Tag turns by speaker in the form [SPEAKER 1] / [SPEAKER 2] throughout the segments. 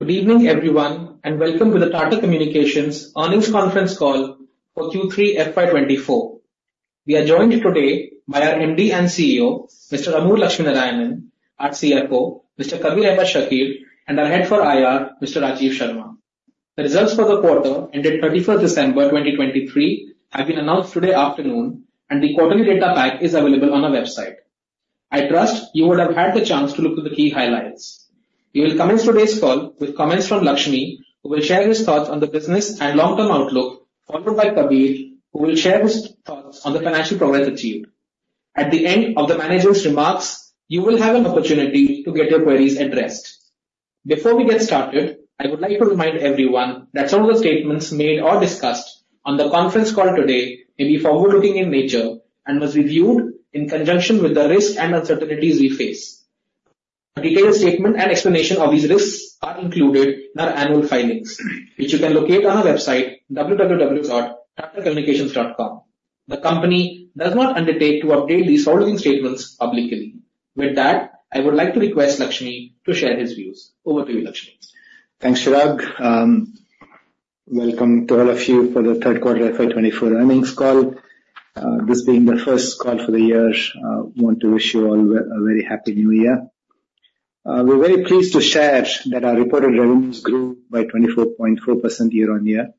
[SPEAKER 1] Good evening, everyone, and welcome to the Tata Communications Earnings Conference Call for Q3 FY24. We are joined today by our MD and CEO, Mr. A.S. Lakshminarayanan, our CFO, Mr. Kabir Ahmed Shakir, and our head for IR, Mr. Rajiv Sharma. The results for the quarter ended 31st December 2023 have been announced today afternoon, and the quarterly data pack is available on our website. I trust you would have had the chance to look through the key highlights. We will commence today's call with comments from Lakshmi, who will share his thoughts on the business and long-term outlook, followed by Kabir, who will share his thoughts on the financial progress achieved. At the end of the managers' remarks, you will have an opportunity to get your queries addressed. Before we get started, I would like to remind everyone that some of the statements made or discussed on the conference call today may be forward-looking in nature and was reviewed in conjunction with the risks and uncertainties we face. A detailed statement and explanation of these risks are included in our annual filings, which you can locate on our website, www.tatacommunications.com. The company does not undertake to update these forward-looking statements publicly. With that, I would like to request Lakshmi to share his views. Over to you, Lakshmi.
[SPEAKER 2] Thanks, Chirag. Welcome to all of you for the third quarter FY 2024 earnings call. This being the first call for the year, I want to wish you all a very happy new year. We're very pleased to share that our reported revenues grew by 24.4% year-on-year.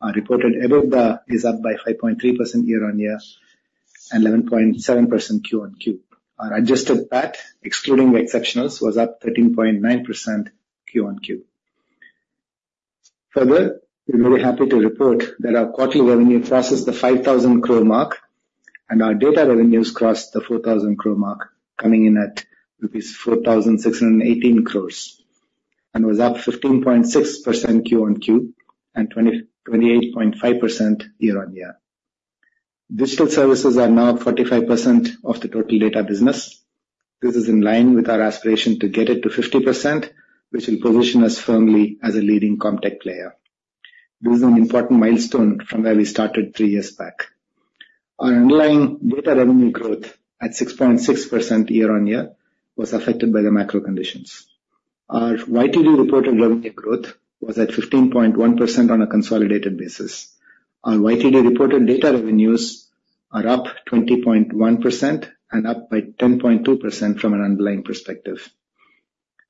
[SPEAKER 2] Our reported EBITDA is up by 5.3% year-on-year, and 11.7% Q-on-Q. Our adjusted PAT, excluding the exceptionals, was up 13.9% Q-on-Q. Further, we're very happy to report that our quarterly revenue crosses the 5,000 crore mark, and our data revenues crossed the 4,000 crore mark, coming in at rupees 4,618 crore, and was up 15.6% Q-on-Q and 28.5% year-on-year. Digital services are now 45% of the total data business. This is in line with our aspiration to get it to 50%, which will position us firmly as a leading CommTech player. This is an important milestone from where we started three years back. Our underlying data revenue growth, at 6.6% year-on-year, was affected by the macro conditions. Our YTD reported revenue growth was at 15.1% on a consolidated basis. Our YTD reported data revenues are up 20.1% and up by 10.2% from an underlying perspective.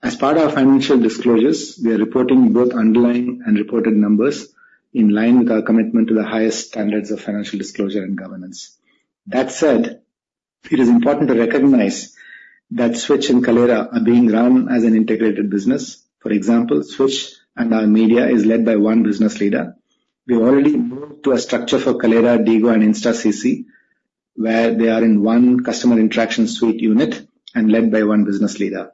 [SPEAKER 2] As part of our financial disclosures, we are reporting both underlying and reported numbers in line with our commitment to the highest standards of financial disclosure and governance. That said, it is important to recognize that Switch and Kaleyra are being run as an integrated business. For example, Switch and our media is led by one business leader. We've already moved to a structure for Kaleyra, DIGO, and InstaCC, where they are in one customer interaction suite unit and led by one business leader.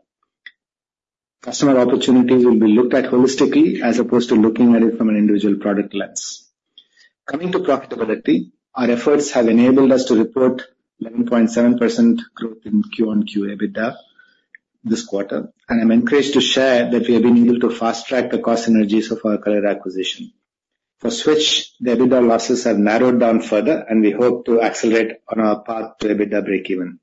[SPEAKER 2] Customer opportunities will be looked at holistically, as opposed to looking at it from an individual product lens. Coming to profitability, our efforts have enabled us to report 11.7% growth in Q-on-Q EBITDA this quarter, and I'm encouraged to share that we have been able to fast-track the cost synergies of our Kaleyra acquisition. For Switch, the EBITDA losses have narrowed down further, and we hope to accelerate on our path to EBITDA breakeven.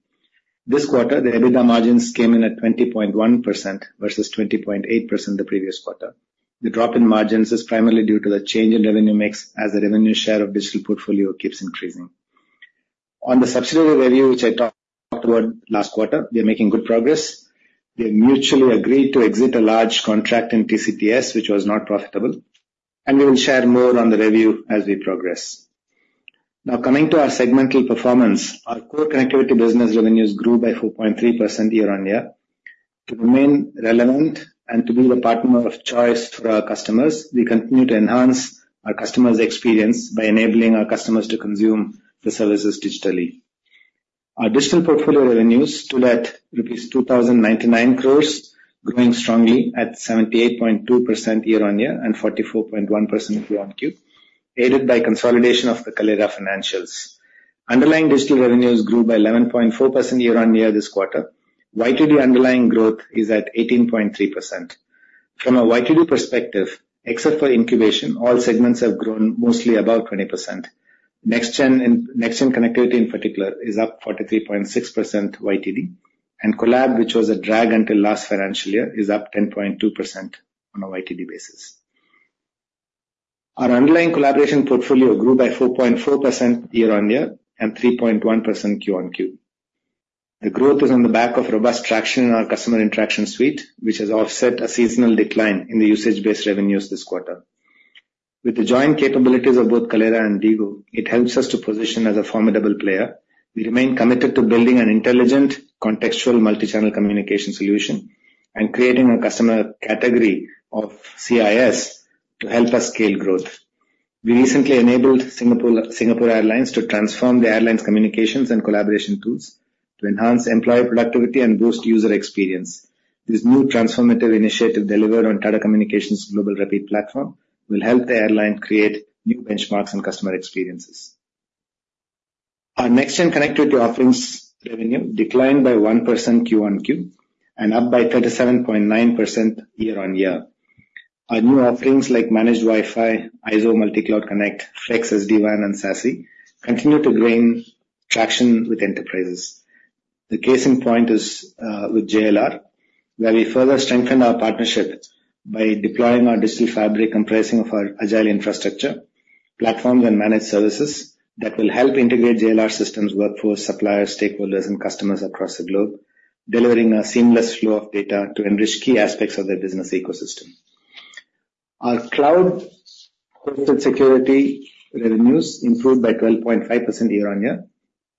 [SPEAKER 2] This quarter, the EBITDA margins came in at 20.1% versus 20.8% the previous quarter. The drop in margins is primarily due to the change in revenue mix as the revenue share of digital portfolio keeps increasing. On the subsidiary review, which I talked about last quarter, we are making good progress. We have mutually agreed to exit a large contract in TCTS, which was not profitable, and we will share more on the review as we progress. Now, coming to our segmental performance, our core connectivity business revenues grew by 4.3% year-over-year. To remain relevant and to be the partner of choice for our customers, we continue to enhance our customers' experience by enabling our customers to consume the services digitally. Our digital portfolio revenues stood at rupees 2,099 crore, growing strongly at 78.2% year-over-year and 44.1% Q-on-Q, aided by consolidation of the Kaleyra financials. Underlying digital revenues grew by 11.4% year-over-year this quarter. YTD underlying growth is at 18.3%. From a YTD perspective, except for incubation, all segments have grown mostly above 20%. Next-gen and next-gen connectivity in particular, is up 43.6% YTD, and collab, which was a drag until last financial year, is up 10.2% on a YTD basis. Our underlying collaboration portfolio grew by 4.4% year-on-year and 3.1% Q-on-Q. The growth is on the back of robust traction in our Customer Interaction Suite, which has offset a seasonal decline in the usage-based revenues this quarter. With the joint capabilities of both Kaleyra and DIG, it helps us to position as a formidable player. We remain committed to building an intelligent, contextual, multi-channel communication solution and creating a customer category of CIS to help us scale growth. We recently enabled Singapore Airlines to transform the airline's communications and collaboration tools to enhance employee productivity and boost user experience. This new transformative initiative, delivered on Tata Communications global reach platform, will help the airline create new benchmarks and customer experiences. Our next-gen connectivity offerings revenue declined by 1% Q-on-Q and up by 37.9% year-on-year. Our new offerings like Managed Wi-Fi, IZO Multi Cloud Connect, Flex SD-WAN and SASE continue to gain traction with enterprises. The case in point is with JLR, where we further strengthened our partnership by deploying our Digital Fabric, comprising of our agile infrastructure, platforms and managed services, that will help integrate JLR systems, workforce, suppliers, stakeholders, and customers across the globe, delivering a seamless flow of data to enrich key aspects of their business ecosystem. Our cloud content security revenues improved by 12.5% year-on-year.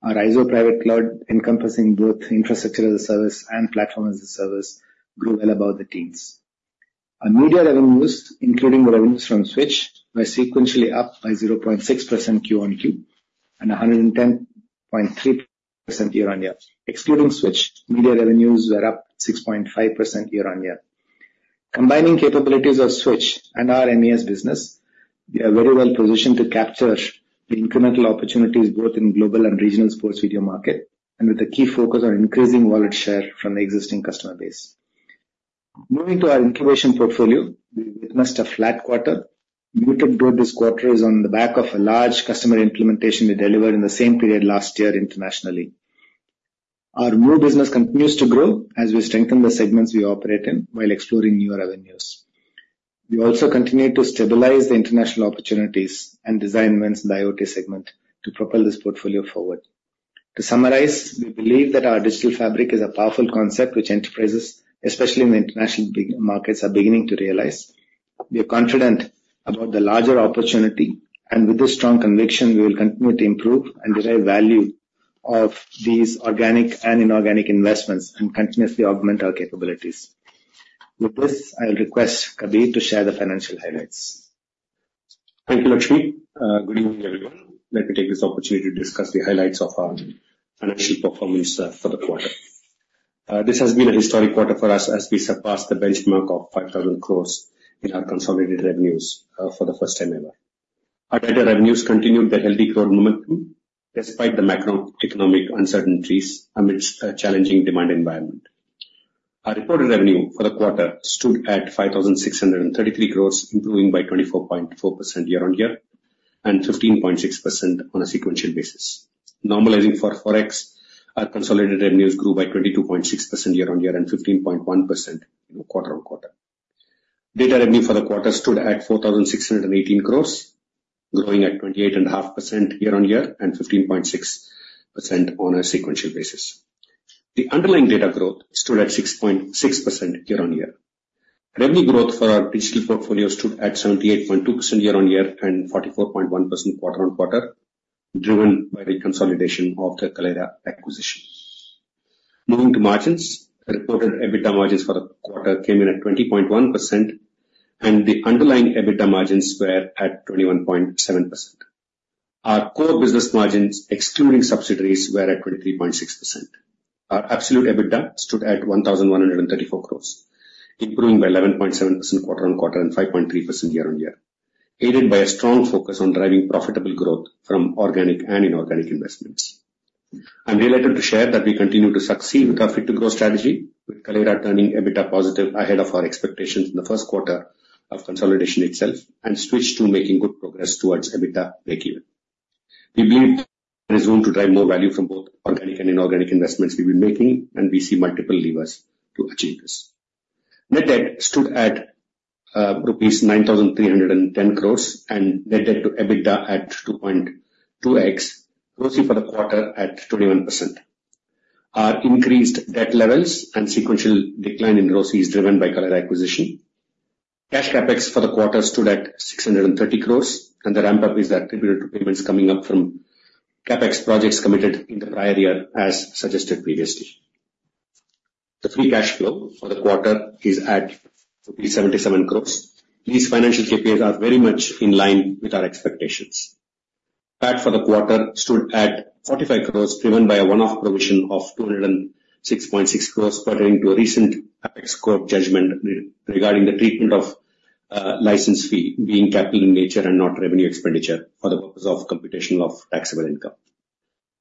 [SPEAKER 2] Our IZO Private Cloud, encompassing both infrastructure as a service and platform as a service, grew well above the teens. Our media revenues, including revenues from Switch, were sequentially up by 0.6% Q-on-Q and 110.3% year-on-year. Excluding Switch, media revenues were up 6.5% year-on-year. Combining capabilities of Switch and our MES business, we are very well positioned to capture the incremental opportunities both in global and regional sports video market, and with a key focus on increasing wallet share from the existing customer base. Moving to our incubation portfolio, we witnessed a flat quarter. Muted growth this quarter is on the back of a large customer implementation we delivered in the same period last year internationally. Our new business continues to grow as we strengthen the segments we operate in while exploring newer avenues. We also continue to stabilize the international opportunities and design wins in the IoT segment to propel this portfolio forward. To summarize, we believe that our Digital Fabric is a powerful concept which enterprises, especially in the international big markets, are beginning to realize. We are confident about the larger opportunity, and with this strong conviction, we will continue to improve and derive value of these organic and inorganic investments, and continuously augment our capabilities. With this, I will request Kabir to share the financial highlights.
[SPEAKER 3] Thank you, Lakshmi. Good evening, everyone. Let me take this opportunity to discuss the highlights of our financial performance for the quarter. This has been a historic quarter for us as we surpassed the benchmark of 5,000 crore in our consolidated revenues for the first time ever. Our data revenues continued the healthy growth momentum despite the macroeconomic uncertainties amidst a challenging demand environment. Our reported revenue for the quarter stood at 5,633 crore, improving by 24.4% year-on-year and 15.6% on a sequential basis. Normalizing for Forex, our consolidated revenues grew by 22.6% year-on-year and 15.1% quarter-on-quarter. Data revenue for the quarter stood at 4,618 crore, growing at 28.5% year-on-year and 15.6% on a sequential basis. The underlying data growth stood at 6.6% year-on-year. Revenue growth for our digital portfolio stood at 78.2% year-on-year and 44.1% quarter-on-quarter, driven by the consolidation of the Kaleyra acquisition. Moving to margins, the reported EBITDA margins for the quarter came in at 20.1%, and the underlying EBITDA margins were at 21.7%. Our core business margins, excluding subsidiaries, were at 23.6%. Our absolute EBITDA stood at 1,134 crores, improving by 11.7% quarter-on-quarter and 5.3% year-on-year, aided by a strong focus on driving profitable growth from organic and inorganic investments. I'm delighted to share that we continue to succeed with our Fit to Grow strategy, with Kaleyra turning EBITDA positive ahead of our expectations in the first quarter of consolidation itself, and Switch too making good progress towards EBITDA breakeven. We believe there is room to drive more value from both organic and inorganic investments we've been making, and we see multiple levers to achieve this. Net debt stood at rupees 9,310 crores, and net debt to EBITDA at 2.2x, ROCE for the quarter at 21%. Our increased debt levels and sequential decline in ROCE is driven by Kaleyra acquisition. Cash CapEx for the quarter stood at 630 crores, and the ramp-up is attributed to payments coming up from CapEx projects committed in the prior year, as suggested previously. The free cash flow for the quarter is at 77 crore. These financial KPIs are very much in line with our expectations. PAT for the quarter stood at 45 crore, driven by a one-off provision of 206.6 crore, pertaining to a recent tax court judgment regarding the treatment of license fee being capital in nature and not revenue expenditure for the purpose of computation of taxable income.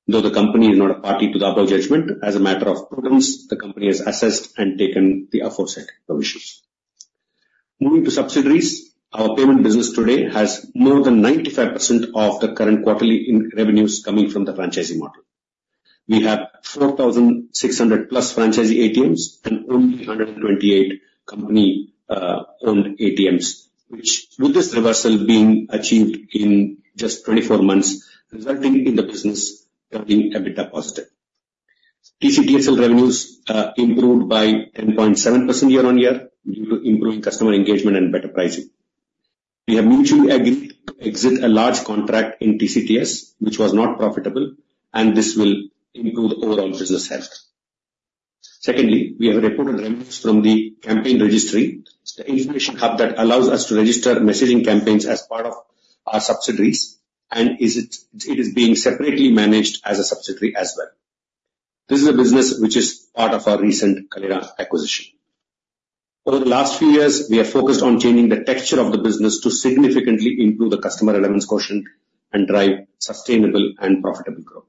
[SPEAKER 3] Though the company is not a party to the appeal judgment, as a matter of prudence, the company has assessed and taken the aforesaid provisions. Moving to subsidiaries, our payment business today has more than 95% of the current quarterly revenues coming from the franchising model. We have 4,600+ franchisee ATMs and only 128 company-owned ATMs, which with this reversal being achieved in just 24 months, resulting in the business turning EBITDA positive. TCTSL revenues improved by 10.7% year-on-year, due to improving customer engagement and better pricing. We have mutually agreed to exit a large contract in TCTS, which was not profitable, and this will improve the overall business health. Secondly, we have reported revenues from The Campaign Registry, it's the integration hub that allows us to register messaging campaigns as part of our subsidiaries and it is being separately managed as a subsidiary as well. This is a business which is part of our recent Kaleyra acquisition. Over the last few years, we have focused on changing the texture of the business to significantly improve the customer relevance quotient and drive sustainable and profitable growth.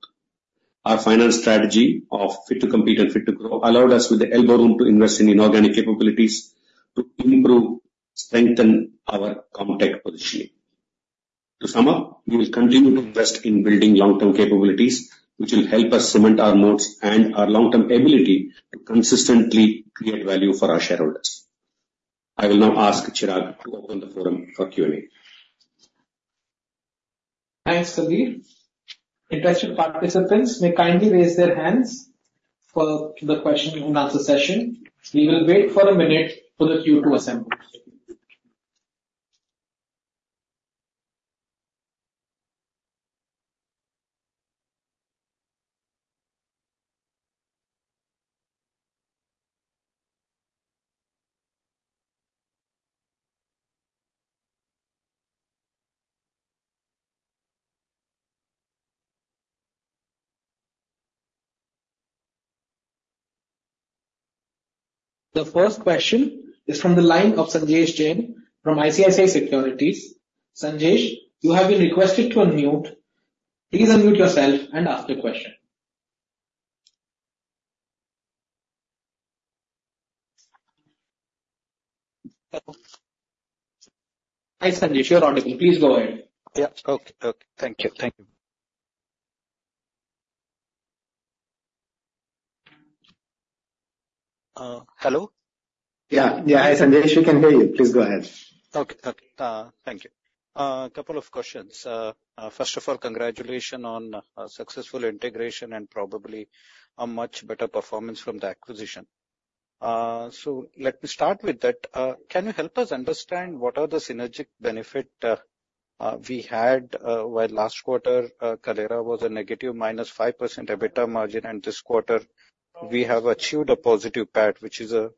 [SPEAKER 3] Our final strategy of Fit to Compete and Fit to Grow allowed us with the elbow room to invest in inorganic capabilities to improve, strengthen our Comtech positioning. To sum up, we will continue to invest in building long-term capabilities, which will help us cement our moats and our long-term ability to consistently create value for our shareholders. I will now ask Chirag to open the forum for Q&A.
[SPEAKER 4] Thanks, Kabir. Interested participants may kindly raise their hands for the question and answer session. We will wait for a minute for the queue to assemble. The first question is from the line of Sanjesh Jain from ICICI Securities. Sanjesh, you have been requested to unmute. Please unmute yourself and ask the question.
[SPEAKER 5] Hello?
[SPEAKER 4] Hi, Sanjesh, you're audible. Please go ahead.
[SPEAKER 5] Yeah. Okay. Okay. Thank you. Thank you. Hello?
[SPEAKER 2] Yeah. Yeah. Hi, Sanjesh, we can hear you. Please go ahead.
[SPEAKER 5] Okay. Okay. Thank you. A couple of questions. First of all, congratulations on a successful integration and probably a much better performance from the acquisition. So let me start with that. Can you help us understand what are the synergistic benefits we had, where last quarter Kaleyra was a negative minus 5% EBITDA margin, and this quarter we have achieved a positive PAT, which is a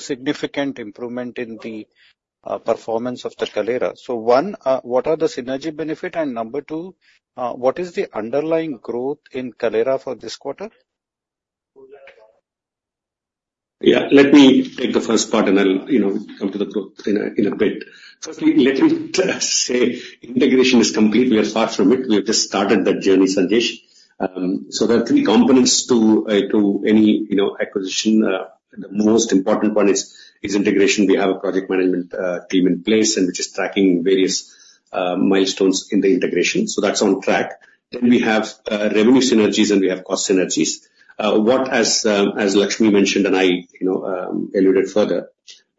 [SPEAKER 5] significant improvement in the performance of the Kaleyra. So one, what are the synergy benefits? And number two, what is the underlying growth in Kaleyra for this quarter?
[SPEAKER 3] Yeah, let me take the first part, and I'll, you know, come to the growth in a bit. Firstly, let me say integration is complete. We are far from it. We have just started that journey, Sanjesh. So there are three components to any, you know, acquisition. The most important one is integration. We have a project management team in place, and which is tracking various milestones in the integration, so that's on track. Then we have revenue synergies and we have cost synergies. As Lakshmi mentioned, and I, you know, alluded further,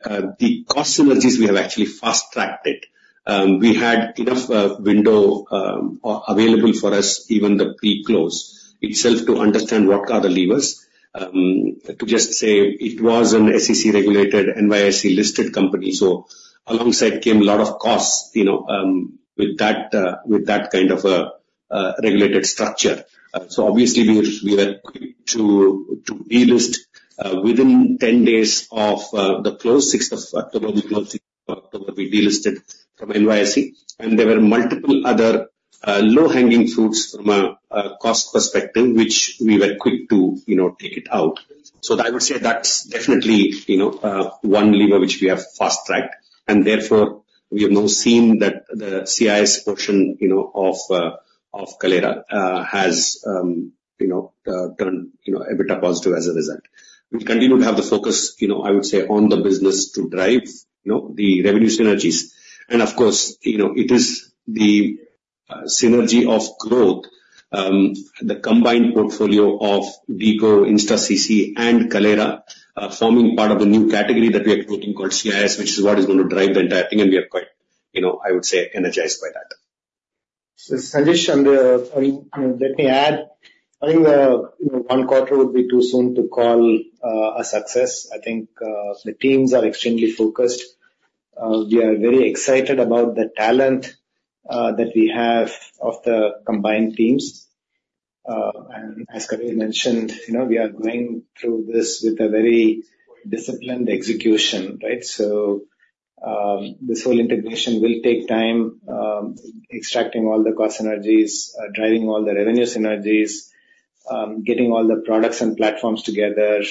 [SPEAKER 3] the cost synergies we have actually fast-tracked it. We had enough window available for us, even the pre-close itself, to understand what are the levers. To just say it was an SEC-regulated, NYSE-listed company, so alongside came a lot of costs, you know, with that kind of a regulated structure. So obviously, we were quick to delist within 10 days of the close, sixth of October. We closed sixth of October, we delisted from NYSE. And there were multiple other low-hanging fruits from a cost perspective, which we were quick to, you know, take it out. So I would say that's definitely, you know, one lever which we have fast-tracked, and therefore, we have now seen that the CIS portion, you know, of Kaleyra has, you know, turned, you know, EBITDA positive as a result. We continue to have the focus, you know, I would say, on the business to drive, you know, the revenue synergies. And of course, you know, it is the synergy of growth, the combined portfolio of DIGO, InstaCC, and Kaleyra, forming part of a new category that we are creating called CIS, which is what is going to drive the entire thing, and we are quite, you know, I would say, energized by that.
[SPEAKER 2] So, Sanjesh, and, I mean, let me add. I think, you know, one quarter would be too soon to call a success. I think, the teams are extremely focused. We are very excited about the talent that we have of the combined teams. And as Kabir mentioned, you know, we are going through this with a very disciplined execution, right? So, this whole integration will take time, extracting all the cost synergies, driving all the revenue synergies, getting all the products and platforms together.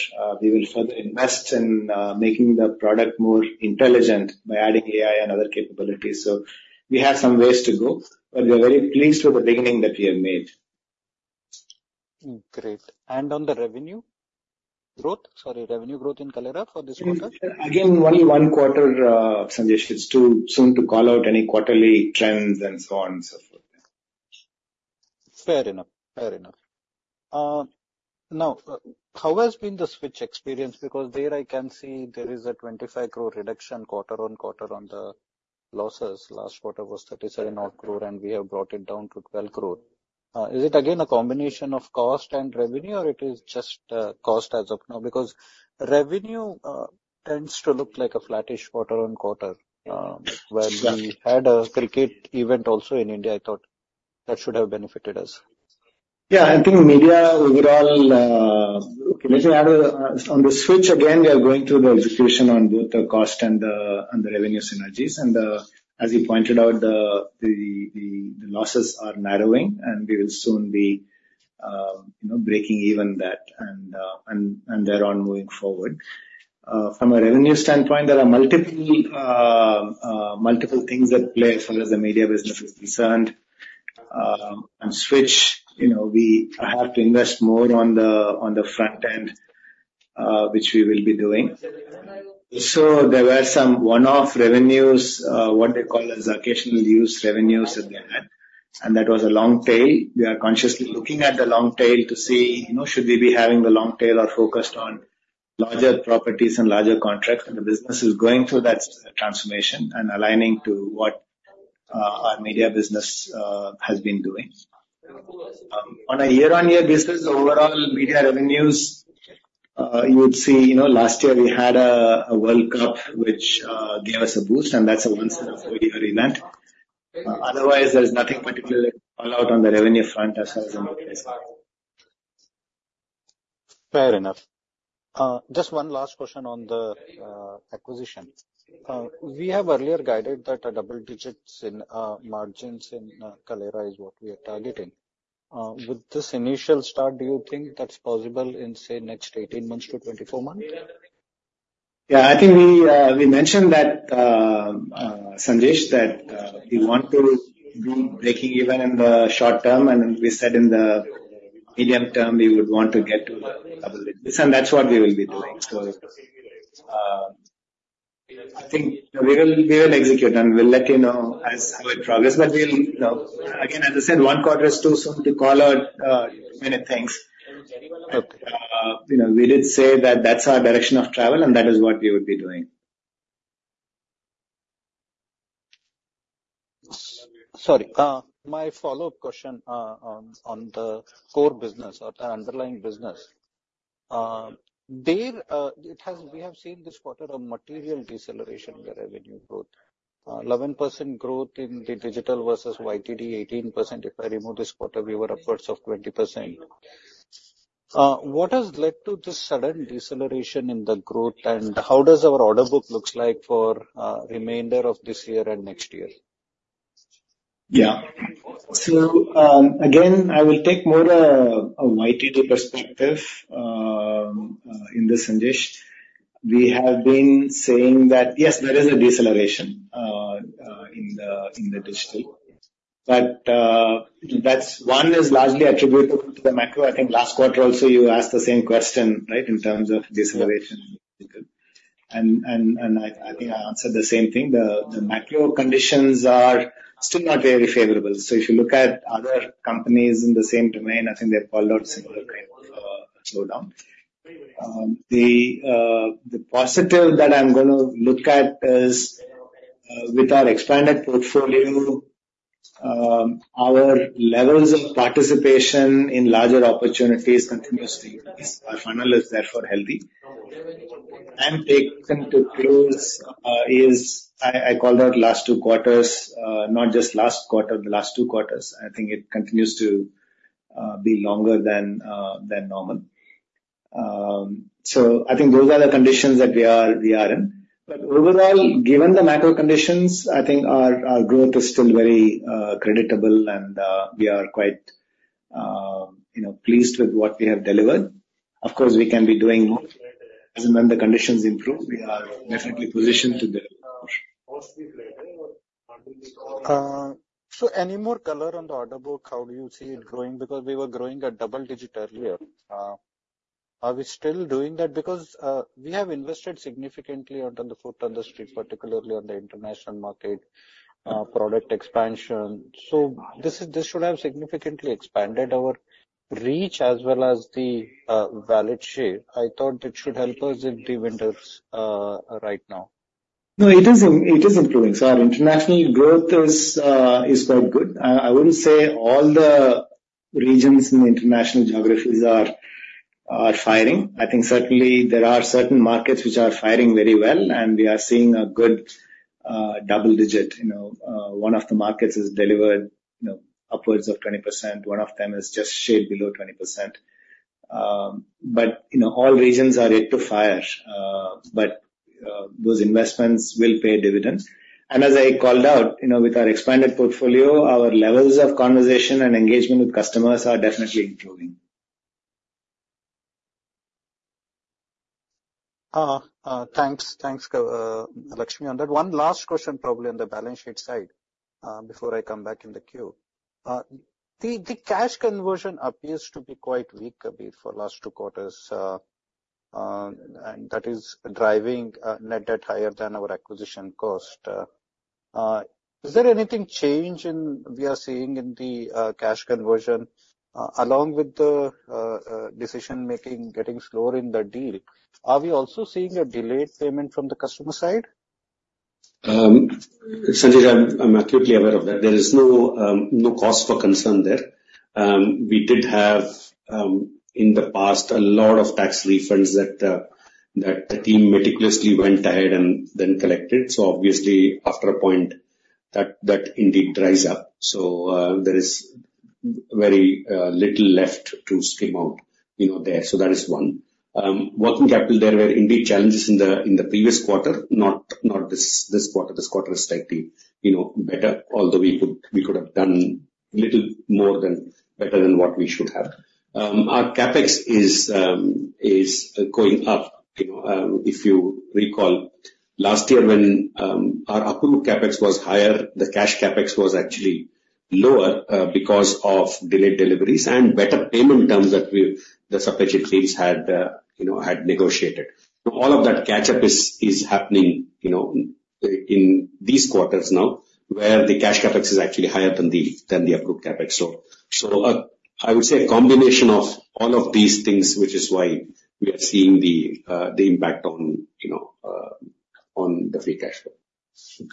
[SPEAKER 2] We will further invest in making the product more intelligent by adding AI and other capabilities. So we have some ways to go, but we are very pleased with the beginning that we have made.
[SPEAKER 5] Great. On the revenue growth... Sorry, revenue growth in Kaleyra for this quarter?
[SPEAKER 2] Again, only one quarter, Sanjesh. It's too soon to call out any quarterly trends and so on and so forth.
[SPEAKER 5] Fair enough. Fair enough. Now, how has been the Switch experience? Because there I can see there is a 25 crore reduction quarter-on-quarter on the losses. Last quarter was 37 odd crore, and we have brought it down to 12 crore. Is it again a combination of cost and revenue, or it is just cost as of now? Because revenue tends to look like a flattish quarter-on-quarter.
[SPEAKER 3] Yeah.
[SPEAKER 5] Where we had a cricket event also in India, I thought that should have benefited us.
[SPEAKER 2] Yeah, I think media overall. Okay, let me add on the Switch, again, we are going through the execution on both the cost and the revenue synergies. And as you pointed out, the losses are narrowing, and we will soon be you know, breaking even that, and thereon moving forward. From a revenue standpoint, there are multiple... multiple things at play as far as the media business is concerned. And Switch, you know, we have to invest more on the front end, which we will be doing. So there were some one-off revenues, what they call as occasional use revenues in there, and that was a long tail. We are consciously looking at the long tail to see, you know, should we be having the long tail or focused on larger properties and larger contracts, and the business is going through that transformation and aligning to what our media business has been doing. On a year-on-year basis, overall media revenues, you would see, you know, last year we had a World Cup, which gave us a boost, and that's a once in a four year event. Otherwise, there is nothing particular to call out on the revenue front as far as I'm aware.
[SPEAKER 5] Fair enough. Just one last question on the acquisition. We have earlier guided that a double digits in margins in Kaleyra is what we are targeting. With this initial start, do you think that's possible in, say, next 18-24 months?
[SPEAKER 2] Yeah, I think we mentioned that, Sanjesh, that we want to be breaking even in the short term, and we said in the medium term, we would want to get to double digits, and that's what we will be doing. So, I think we will execute, and we'll let you know as we progress. But we'll, you know... Again, as I said, one quarter is too soon to call out many things.
[SPEAKER 5] Okay.
[SPEAKER 2] you know, we did say that that's our direction of travel, and that is what we would be doing.
[SPEAKER 5] Sorry, my follow-up question, on the core business or the underlying business. We have seen this quarter a material deceleration in the revenue growth. 11% growth in the digital versus YTD 18%. If I remove this quarter, we were upwards of 20%. What has led to this sudden deceleration in the growth, and how does our order book looks like for remainder of this year and next year?
[SPEAKER 2] Yeah. So, again, I will take more of a YTD perspective, in this, Sanjesh. We have been saying that, yes, there is a deceleration in the digital. But that's one is largely attributable to the macro. I think last quarter also, you asked the same question, right, in terms of deceleration? And I think I answered the same thing. The macro conditions are still not very favorable. So if you look at other companies in the same domain, I think they've called out similar kind of slowdown. The positive that I'm gonna look at is, with our expanded portfolio, our levels of participation in larger opportunities continues to increase. Our funnel is therefore healthy. I'm taking to close, is I, I called out last two quarters, not just last quarter, the last two quarters. I think it continues to be longer than than normal. So I think those are the conditions that we are, we are in. But overall, given the macro conditions, I think our, our growth is still very creditable and we are quite, you know, pleased with what we have delivered. Of course, we can be doing more. As and when the conditions improve, we are definitely positioned to deliver.
[SPEAKER 5] So, any more color on the order book? How do you see it growing? Because we were growing at double digit earlier. Are we still doing that? Because we have invested significantly on the foot on the street, particularly on the international market, product expansion. So this is, this should have significantly expanded our reach as well as the valid share. I thought it should help us in the winters right now.
[SPEAKER 2] No, it is improving. So our international growth is quite good. I wouldn't say all the regions in the international geographies are firing. I think certainly there are certain markets which are firing very well, and we are seeing a good double digit. You know, one of the markets has delivered, you know, upwards of 20%. One of them is just shade below 20%. But, you know, all regions are yet to fire, but those investments will pay dividends. And as I called out, you know, with our expanded portfolio, our levels of conversation and engagement with customers are definitely improving.
[SPEAKER 5] Thanks, Lakshmi. On that one last question, probably on the balance sheet side, before I come back in the queue. The cash conversion appears to be quite weak, Abhi, for last two quarters, and that is driving net debt higher than our acquisition cost. Is there anything change in we are seeing in the cash conversion, along with the decision-making getting slower in the deal? Are we also seeing a delayed payment from the customer side?
[SPEAKER 3] Sandesh, I'm acutely aware of that. There is no cause for concern there. We did have, in the past, a lot of tax refunds that the team meticulously went ahead and then collected. So obviously, after a point, that indeed dries up. So there is very little left to skim out, you know, there. So that is one. Working capital, there were indeed challenges in the previous quarter, not this quarter. This quarter is slightly, you know, better, although we could have done-... a little more than better than what we should have. Our CapEx is going up. You know, if you recall, last year when our approved CapEx was higher, the cash CapEx was actually lower, because of delayed deliveries and better payment terms that we, the subsidiary teams had, you know, had negotiated. So all of that catch-up is happening, you know, in these quarters now, where the cash CapEx is actually higher than the approved CapEx. So, I would say a combination of all of these things, which is why we are seeing the impact on, you know, on the free cash flow.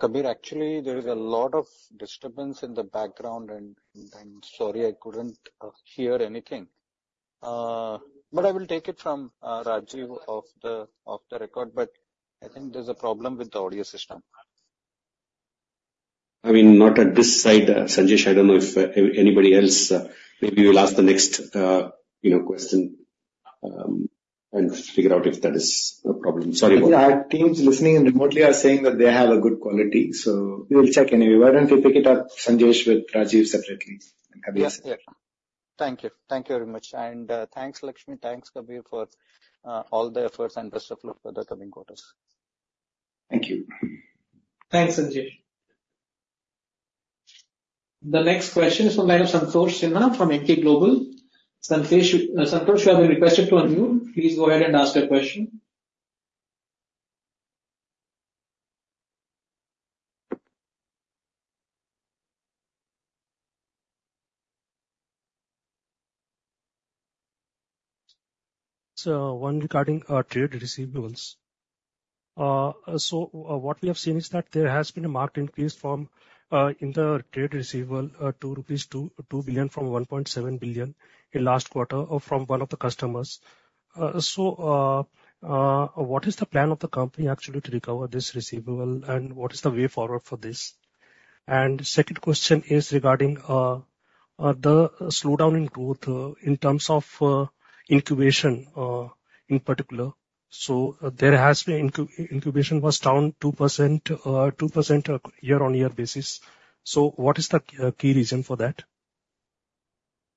[SPEAKER 5] Kabir, actually, there is a lot of disturbance in the background, and I'm sorry, I couldn't hear anything. But I will take it from Rajiv off the record, but I think there's a problem with the audio system.
[SPEAKER 3] I mean, not at this side, Sanjesh. I don't know if anybody else maybe will ask the next you know question and figure out if that is a problem. Sorry about that.
[SPEAKER 2] Our teams listening in remotely are saying that they have a good quality, so we'll check anyway. Why don't we pick it up, Sanjesh, with Rajiv separately?
[SPEAKER 5] And Kabir- Yes. Yeah. Thank you. Thank you very much. And, thanks, Lakshmi. Thanks, Kabir, for all the efforts, and best of luck for the coming quarters.
[SPEAKER 3] Thank you.
[SPEAKER 4] Thanks, Sanjesh. The next question is from Santosh Sinha from Emkay Global. Sanjesh, Santosh, you have been requested to unmute. Please go ahead and ask your question.
[SPEAKER 6] So one regarding our trade receivables. So what we have seen is that there has been a marked increase from, in the trade receivable, to 2 billion from 1.7 billion in last quarter or from one of the customers. So, what is the plan of the company actually to recover this receivable, and what is the way forward for this? And second question is regarding, the slowdown in growth, in terms of, incubation, in particular. So there has been incubation was down 2%, 2% year-on-year basis. So what is the, key reason for that?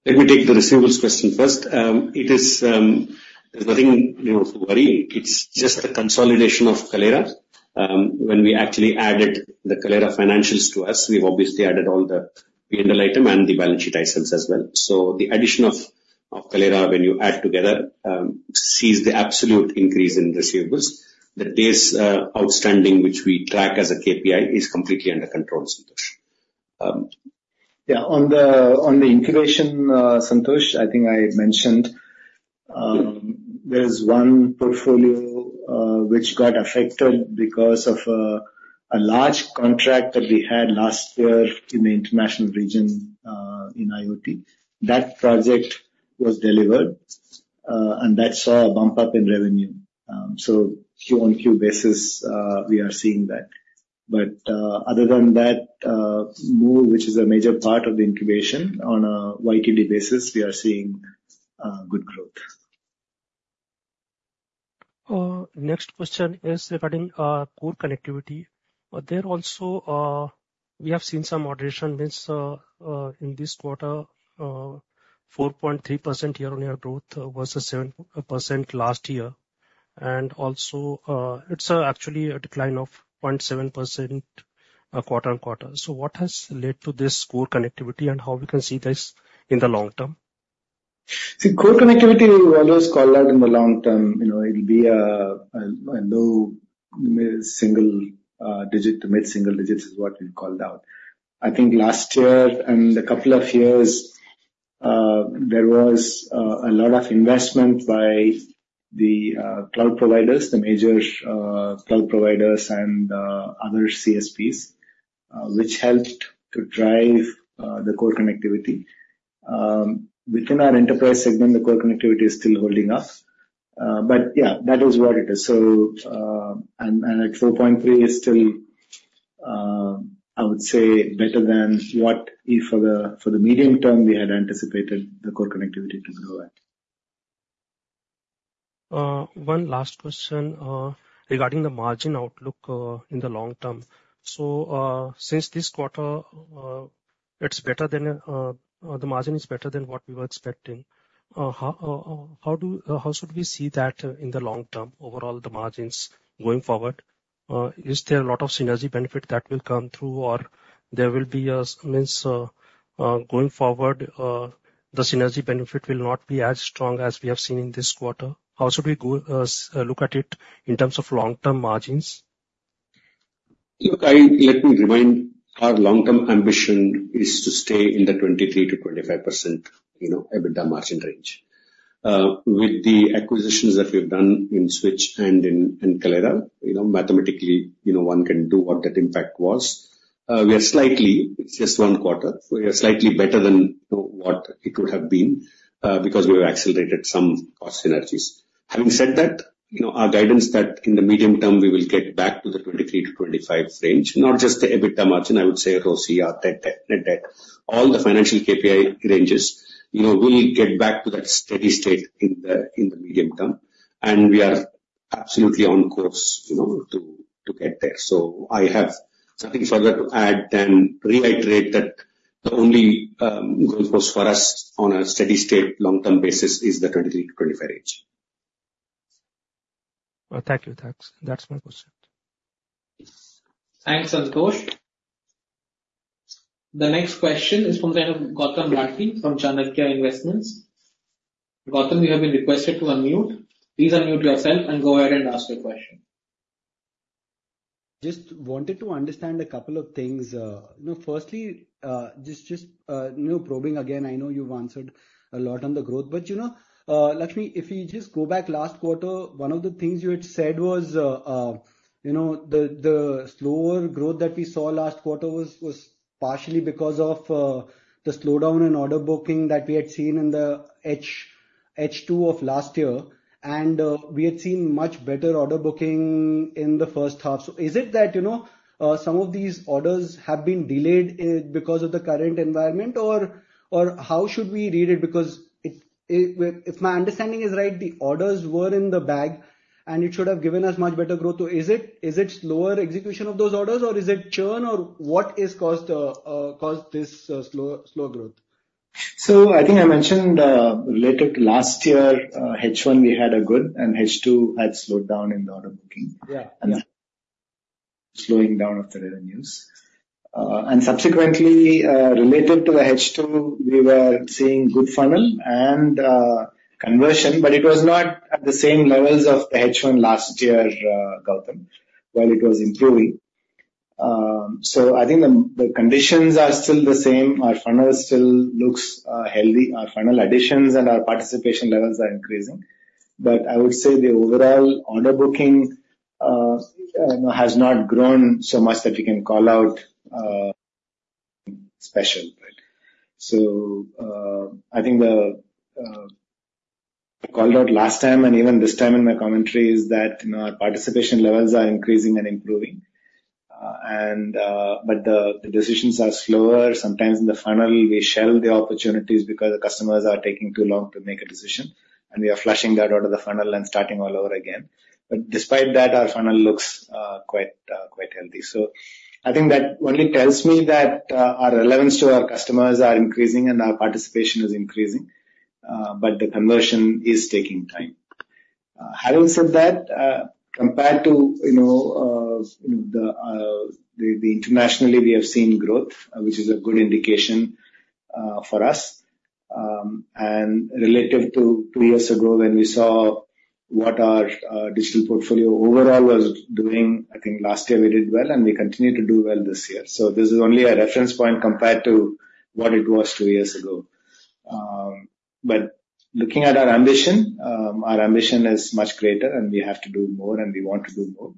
[SPEAKER 3] Let me take the receivables question first. It is, there's nothing, you know, to worry. It's just a consolidation of Kaleyra. When we actually added the Kaleyra financials to us, we've obviously added all the P&L item and the balance sheet items as well. So the addition of, of Kaleyra, when you add together, sees the absolute increase in receivables. The days, outstanding, which we track as a KPI, is completely under control, Santosh.
[SPEAKER 2] Yeah, on the incubation, Santosh, I think I had mentioned, there's one portfolio which got affected because of a large contract that we had last year in the international region in IoT. That project was delivered and that saw a bump up in revenue. So Q-on-Q basis, we are seeing that. But other than that, MOVE, which is a major part of the incubation on a Y-on-Y basis, we are seeing good growth.
[SPEAKER 6] Next question is regarding core connectivity. But there also, we have seen some moderation means in this quarter 4.3% year-on-year growth versus 7% last year. And also, it's actually a decline of 0.7% quarter-on-quarter. So what has led to this core connectivity and how we can see this in the long term?
[SPEAKER 2] See, core connectivity, we always call out in the long term, you know, it'll be a low single digit to mid-single digits is what we called out. I think last year and a couple of years, there was a lot of investment by the cloud providers, the major cloud providers and other CSPs, which helped to drive the core connectivity. Within our enterprise segment, the core connectivity is still holding up. But yeah, that is what it is. So, and at 4.3 is still, I would say better than what if for the, for the medium term, we had anticipated the core connectivity to grow at.
[SPEAKER 6] One last question regarding the margin outlook in the long term. So, since this quarter, the margin is better than what we were expecting. How should we see that in the long term, overall, the margins going forward? Is there a lot of synergy benefit that will come through, or there will be a means, going forward, the synergy benefit will not be as strong as we have seen in this quarter? How should we go look at it in terms of long-term margins?
[SPEAKER 3] Look, let me remind, our long-term ambition is to stay in the 23%-25% EBITDA margin range, you know. With the acquisitions that we've done in Switch and in Kaleyra, you know, mathematically, you know, one can do what that impact was. We are slightly, it's just one quarter, we are slightly better than, you know, what it would have been, because we have accelerated some cost synergies. Having said that, you know, our guidance that in the medium term, we will get back to the 23%-25% range, not just the EBITDA margin, I would say ROCE, RTech, net debt. All the financial KPI ranges, you know, will get back to that steady state in the medium term, and we are-... absolutely on course, you know, to, to get there. So I have nothing further to add than reiterate that the only growth course for us on a steady state long-term basis is the 23-25 range.
[SPEAKER 6] Well, thank you. That's, that's my question.
[SPEAKER 4] Thanks, Santosh. The next question is from the line of Gautam Rathi, from Chanakya Investments. Gautam, you have been requested to unmute. Please unmute yourself and go ahead and ask your question.
[SPEAKER 7] Just wanted to understand a couple of things. You know, firstly, you know, probing again, I know you've answered a lot on the growth, but, you know, Lakshmi, if you just go back last quarter, one of the things you had said was, you know, the slower growth that we saw last quarter was partially because of the slowdown in order booking that we had seen in the H2 of last year. And we had seen much better order booking in the first half. So is it that, you know, some of these orders have been delayed because of the current environment, or how should we read it? Because if my understanding is right, the orders were in the bag, and it should have given us much better growth. Is it slower execution of those orders, or is it churn, or what caused this slow growth?
[SPEAKER 2] I think I mentioned, related to last year, H1, we had a good and H2 had slowed down in the order booking.
[SPEAKER 8] Yeah.
[SPEAKER 2] Slowing down of the revenues. And subsequently, related to the H2, we were seeing good funnel and conversion, but it was not at the same levels of the H1 last year, Gautam, while it was improving. So I think the conditions are still the same. Our funnel still looks healthy. Our funnel additions and our participation levels are increasing. But I would say the overall order booking, you know, has not grown so much that we can call out special. So, I think the I called out last time, and even this time in my commentary, is that, you know, our participation levels are increasing and improving, and but the decisions are slower. Sometimes in the funnel, we shelve the opportunities because the customers are taking too long to make a decision, and we are flushing that out of the funnel and starting all over again. But despite that, our funnel looks quite healthy. So I think that only tells me that our relevance to our customers are increasing and our participation is increasing, but the conversion is taking time. Having said that, compared to, you know, the international, we have seen growth, which is a good indication for us. And relative to two years ago, when we saw what our digital portfolio overall was doing, I think last year we did well, and we continue to do well this year. So this is only a reference point compared to what it was two years ago. But looking at our ambition, our ambition is much greater, and we have to do more, and we want to do more.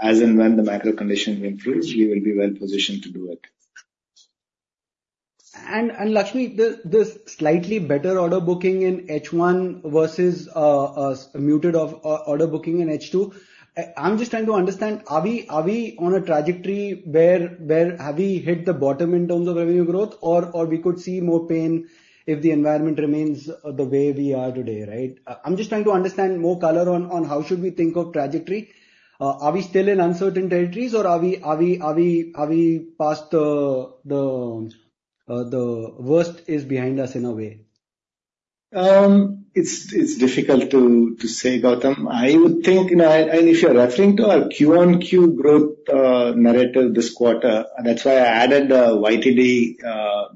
[SPEAKER 2] As and when the macro conditions improve, we will be well positioned to do it.
[SPEAKER 8] Lakshmi, the slightly better order booking in H1 versus muted order booking in H2. I'm just trying to understand, are we on a trajectory where... Have we hit the bottom in terms of revenue growth? Or we could see more pain if the environment remains the way we are today, right? I'm just trying to understand more color on how should we think of trajectory. Are we still in uncertain territories, or are we past the worst is behind us in a way?
[SPEAKER 2] It's difficult to say, Gautam. I would think, you know, and if you're referring to our Q1 growth narrative this quarter, and that's why I added the YTD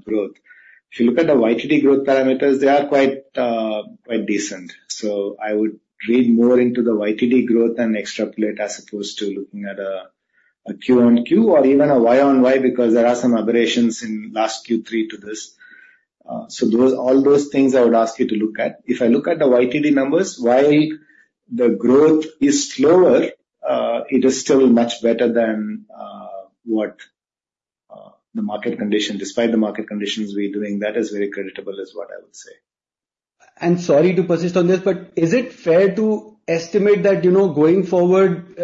[SPEAKER 2] growth. If you look at the YTD growth parameters, they are quite decent. So I would read more into the YTD growth and extrapolate as opposed to looking at a Q-on-Q or even a Y-on-Y, because there are some aberrations in last Q3 to this. So those, all those things I would ask you to look at. If I look at the YTD numbers, while the growth is slower, it is still much better than what the market condition—despite the market conditions we're doing. That is very creditable, is what I would say.
[SPEAKER 8] And sorry to persist on this, but is it fair to estimate that, you know, going forward,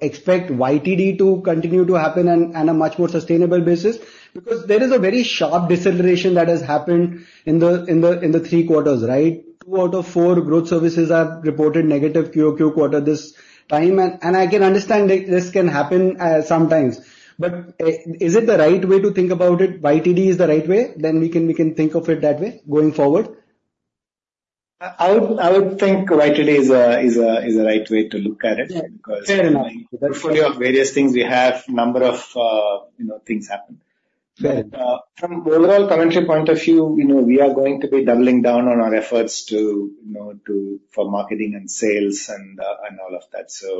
[SPEAKER 8] expect YTD to continue to happen on a much more sustainable basis? Because there is a very sharp deceleration that has happened in the three quarters, right? Two out of four growth services have reported negative Q-on-Q this time. And I can understand that this can happen sometimes, but is it the right way to think about it? YTD is the right way, then we can think of it that way going forward?
[SPEAKER 2] I would think YTD is a right way to look at it.
[SPEAKER 8] Yeah.
[SPEAKER 2] - because portfolio of various things, we have number of, you know, things happen.
[SPEAKER 7] Fair.
[SPEAKER 2] From overall commentary point of view, you know, we are going to be doubling down on our efforts to, you know, for marketing and sales and, and all of that, so.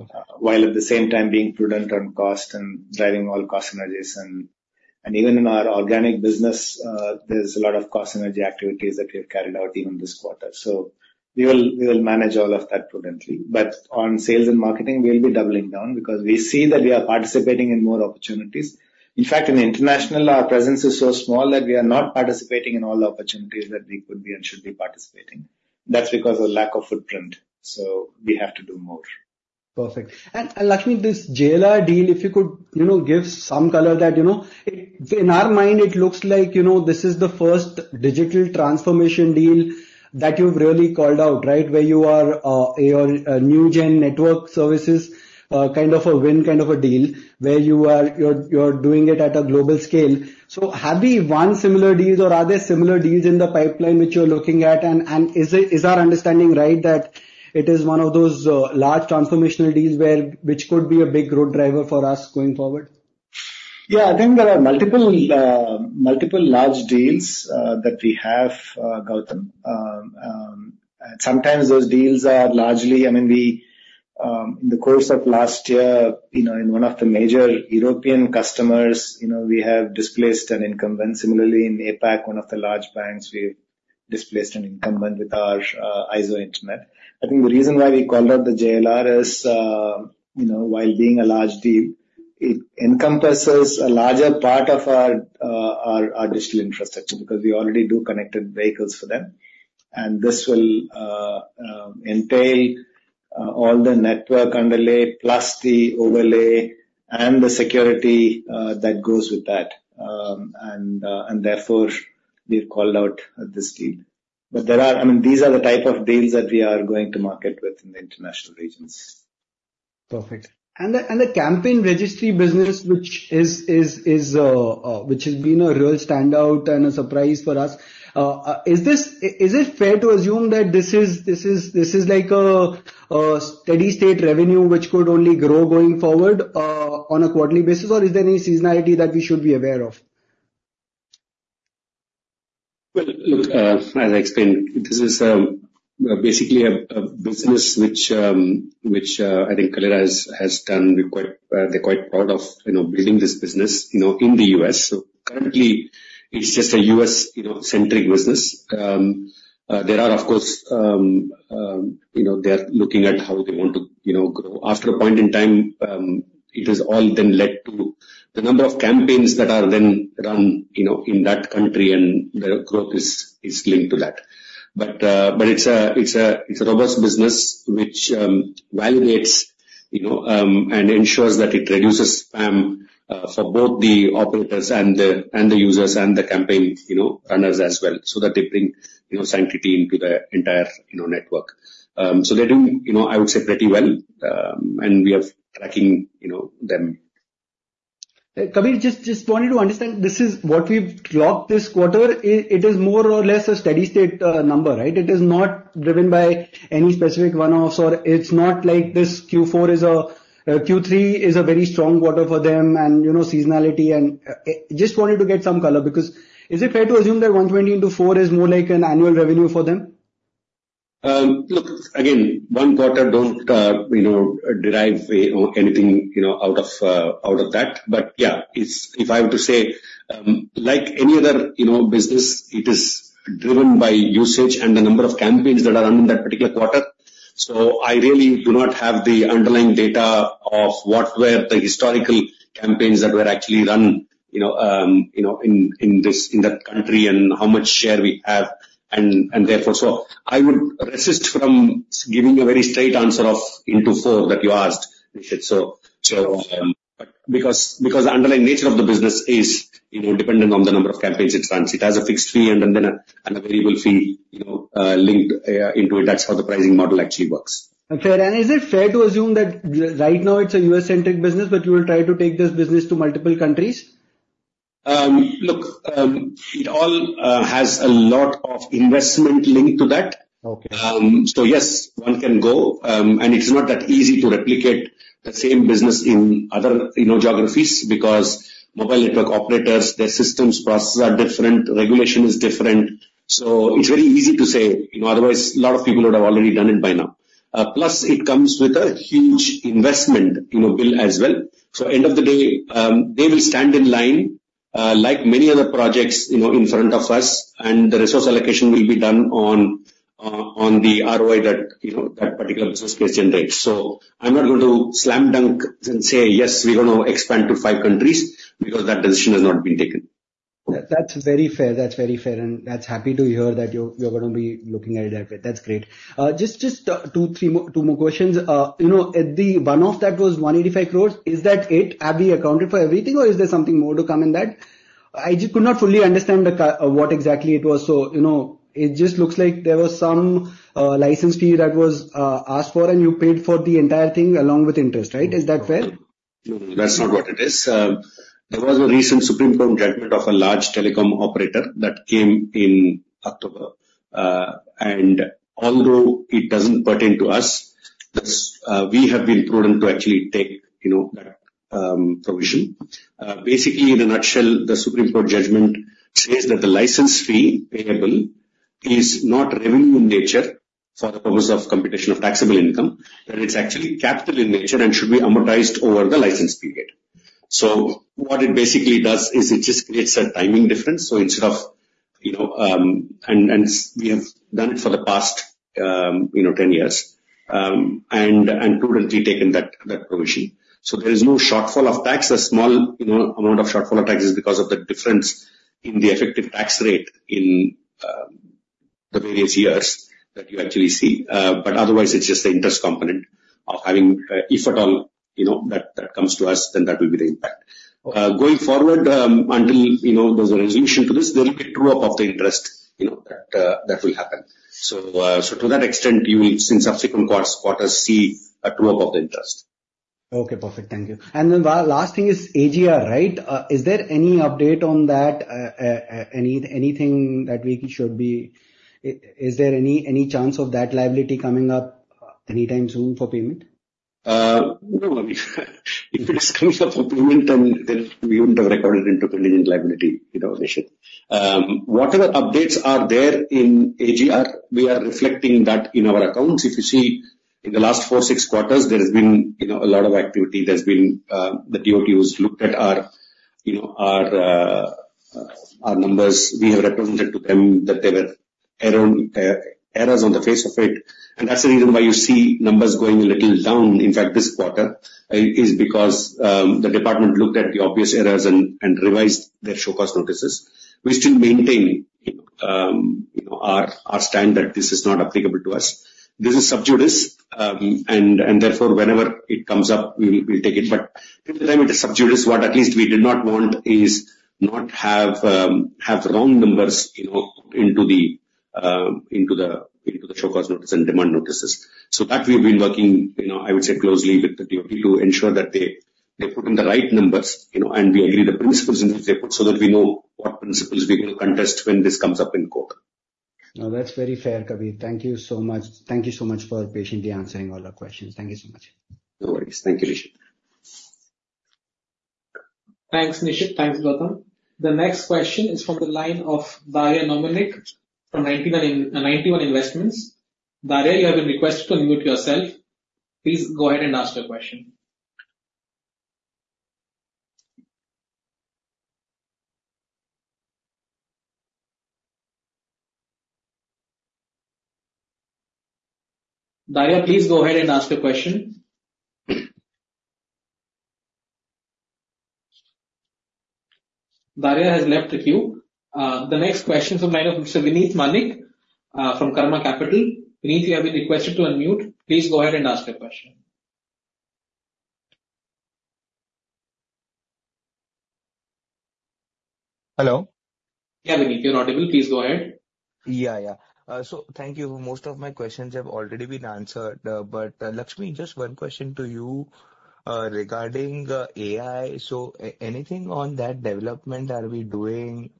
[SPEAKER 7] Okay.
[SPEAKER 2] While at the same time being prudent on cost and driving all cost synergies. And even in our organic business, there's a lot of cost synergy activities that we have carried out even this quarter. So we will manage all of that prudently. But on sales and marketing, we'll be doubling down because we see that we are participating in more opportunities. In fact, in international, our presence is so small that we are not participating in all the opportunities that we could be and should be participating. That's because of lack of footprint, so we have to do more. ...
[SPEAKER 8] Perfect. And Lakshmi, this JLR deal, if you could, you know, give some color that, you know, it - in our mind, it looks like, you know, this is the first digital transformation deal that you've really called out, right? Where you are your new gen network services kind of a win, kind of a deal, where you are, you're doing it at a global scale. So have we won similar deals or are there similar deals in the pipeline which you're looking at? And is our understanding right, that it is one of those large transformational deals where, which could be a big growth driver for us going forward?
[SPEAKER 2] Yeah, I think there are multiple, multiple large deals that we have, Gautam. Sometimes those deals are largely... I mean, we, in the course of last year, you know, in one of the major European customers, you know, we have displaced an incumbent. Similarly, in APAC, one of the large banks, we've displaced an incumbent with our IZO Internet. I think the reason why we called out the JLR is, you know, while being a large deal, it encompasses a larger part of our digital infrastructure, because we already do connected vehicles for them. And this will entail all the network underlay, plus the overlay and the security that goes with that. And therefore, we've called out this deal. But there are... I mean, these are the type of deals that we are going to market with in the international regions.
[SPEAKER 8] Perfect. And the Campaign Registry business, which has been a real standout and a surprise for us, is it fair to assume that this is like a steady state revenue which could only grow going forward on a quarterly basis? Or is there any seasonality that we should be aware of?
[SPEAKER 3] Well, look, as I explained, this is basically a business which I think Kaleyra has done quite, they're quite proud of, you know, building this business, you know, in the U.S. So currently, it's just a U.S., you know, centric business. There are, of course, you know, they are looking at how they want to, you know, grow. After a point in time, it has all then led to the number of campaigns that are then run, you know, in that country, and their growth is linked to that. But it's a robust business which validates, you know, and ensures that it reduces spam for both the operators and the users and the campaign, you know, runners as well, so that they bring, you know, sanctity into the entire, you know, network. So they're doing, you know, I would say, pretty well, and we are tracking, you know, them.
[SPEAKER 7] Kabir, just, just wanted to understand, this is what we've logged this quarter, it, it is more or less a steady state, number, right? It is not driven by any specific one-offs, or it's not like this Q4 is a, Q3 is a very strong quarter for them and, you know, seasonality and... Just wanted to get some color, because is it fair to assume that 120 into four is more like an annual revenue for them?
[SPEAKER 3] Look, again, one quarter, don't, you know, derive anything, you know, out of, out of that. But, yeah, it's... If I were to say, like any other, you know, business, it is driven by usage and the number of campaigns that are run in that particular quarter. So I really do not have the underlying data of what were the historical campaigns that were actually run, you know, you know, in, in this, in that country, and how much share we have and, and therefore. So I would resist from giving a very straight answer to Q4 that you asked, Nishit. So, but because, because the underlying nature of the business is, you know, dependent on the number of campaigns it runs. It has a fixed fee and then a and a variable fee, you know, linked into it. That's how the pricing model actually works.
[SPEAKER 7] Fair. And is it fair to assume that right now it's a U.S.-centric business, but you will try to take this business to multiple countries?
[SPEAKER 3] Look, it all has a lot of investment linked to that.
[SPEAKER 7] Okay.
[SPEAKER 3] So yes, one can go. And it's not that easy to replicate the same business in other, you know, geographies, because mobile network operators, their systems, processes are different, regulation is different. So it's very easy to say, you know, otherwise a lot of people would have already done it by now. Plus, it comes with a huge investment, you know, bill as well. So end of the day, they will stand in line, like many other projects, you know, in front of us, and the resource allocation will be done on, on the ROI that, you know, that particular business case generates. So I'm not going to slam dunk and say, "Yes, we're going to expand to five countries," because that decision has not been taken.
[SPEAKER 7] That's very fair. That's very fair, and that's happy to hear that you, you're going to be looking at it that way. That's great. Just two, three more, two more questions. You know, the one-off that was 185 crore, is that it? Have we accounted for everything, or is there something more to come in that? I just could not fully understand what exactly it was. So, you know, it just looks like there was some license fee that was asked for, and you paid for the entire thing along with interest, right? Is that fair?
[SPEAKER 3] No, that's not what it is. There was a recent Supreme Court judgment of a large telecom operator that came in October. And although it doesn't pertain to us, we have been prudent to actually take, you know, that provision. Basically, in a nutshell, the Supreme Court judgment says that the license fee payable is not revenue in nature for the purpose of computation of taxable income, that it's actually capital in nature and should be amortized over the license period. So what it basically does is it just creates a timing difference. So instead of, you know... And we have done it for the past, you know, 10 years, and prudently taken that provision. So there is no shortfall of tax. A small, you know, amount of shortfall of tax is because of the difference in the effective tax rate in the previous years that you actually see. But otherwise, it's just the interest component of having, if at all, you know, that comes to us, then that will be the impact. Going forward, until, you know, there's a resolution to this, there will be a true up of the interest, you know, that will happen. So, to that extent, you will, in subsequent quarters, see a true up of the interest.
[SPEAKER 7] Okay, perfect. Thank you. And then the last thing is AGR, right? Is there any update on that? Anything that we should be... Is there any chance of that liability coming up anytime soon for payment?
[SPEAKER 3] No. If it comes up for payment, then we wouldn't have recorded into contingent liability in our position. Whatever updates are there in AGR, we are reflecting that in our accounts. If you see, in the last four, six quarters, there has been, you know, a lot of activity. There's been, the DOT has looked at our, you know, our numbers. We have represented to them that there were errors on the face of it, and that's the reason why you see numbers going a little down. In fact, this quarter is because the department looked at the obvious errors and revised their show cause notices. We still maintain, you know, our stand that this is not applicable to us. This is sub judice, and therefore, whenever it comes up, we'll take it. But with the limit of sub judice, what at least we did not want is not have, have wrong numbers, you know, into the, into the, into the show cause notices and demand notices. So that we've been working, you know, I would say, closely with the DOT to ensure that they, they put in the right numbers, you know, and we agree the principles in which they put, so that we know what principles we're going to contest when this comes up in court.
[SPEAKER 7] No, that's very fair, Kabir. Thank you so much. Thank you so much for patiently answering all our questions. Thank you so much.
[SPEAKER 3] No worries. Thank you, Nishit.
[SPEAKER 4] Thanks, Nishit. Thanks, Gautam. The next question is from the line of Daria Naumenko from Ninety One Investments. Daria, you have been requested to unmute yourself. Please go ahead and ask your question. Daria, please go ahead and ask your question. Daria has left the queue. The next question is from Vinit Manek from Karma Capital. Vineet, you have been requested to unmute. Please go ahead and ask your question.
[SPEAKER 9] Hello?
[SPEAKER 4] Yeah, we can hear you. Please go ahead.
[SPEAKER 9] Yeah, yeah. So thank you. Most of my questions have already been answered, but Lakshmi, just one question to you regarding AI. So anything on that development, are we doing?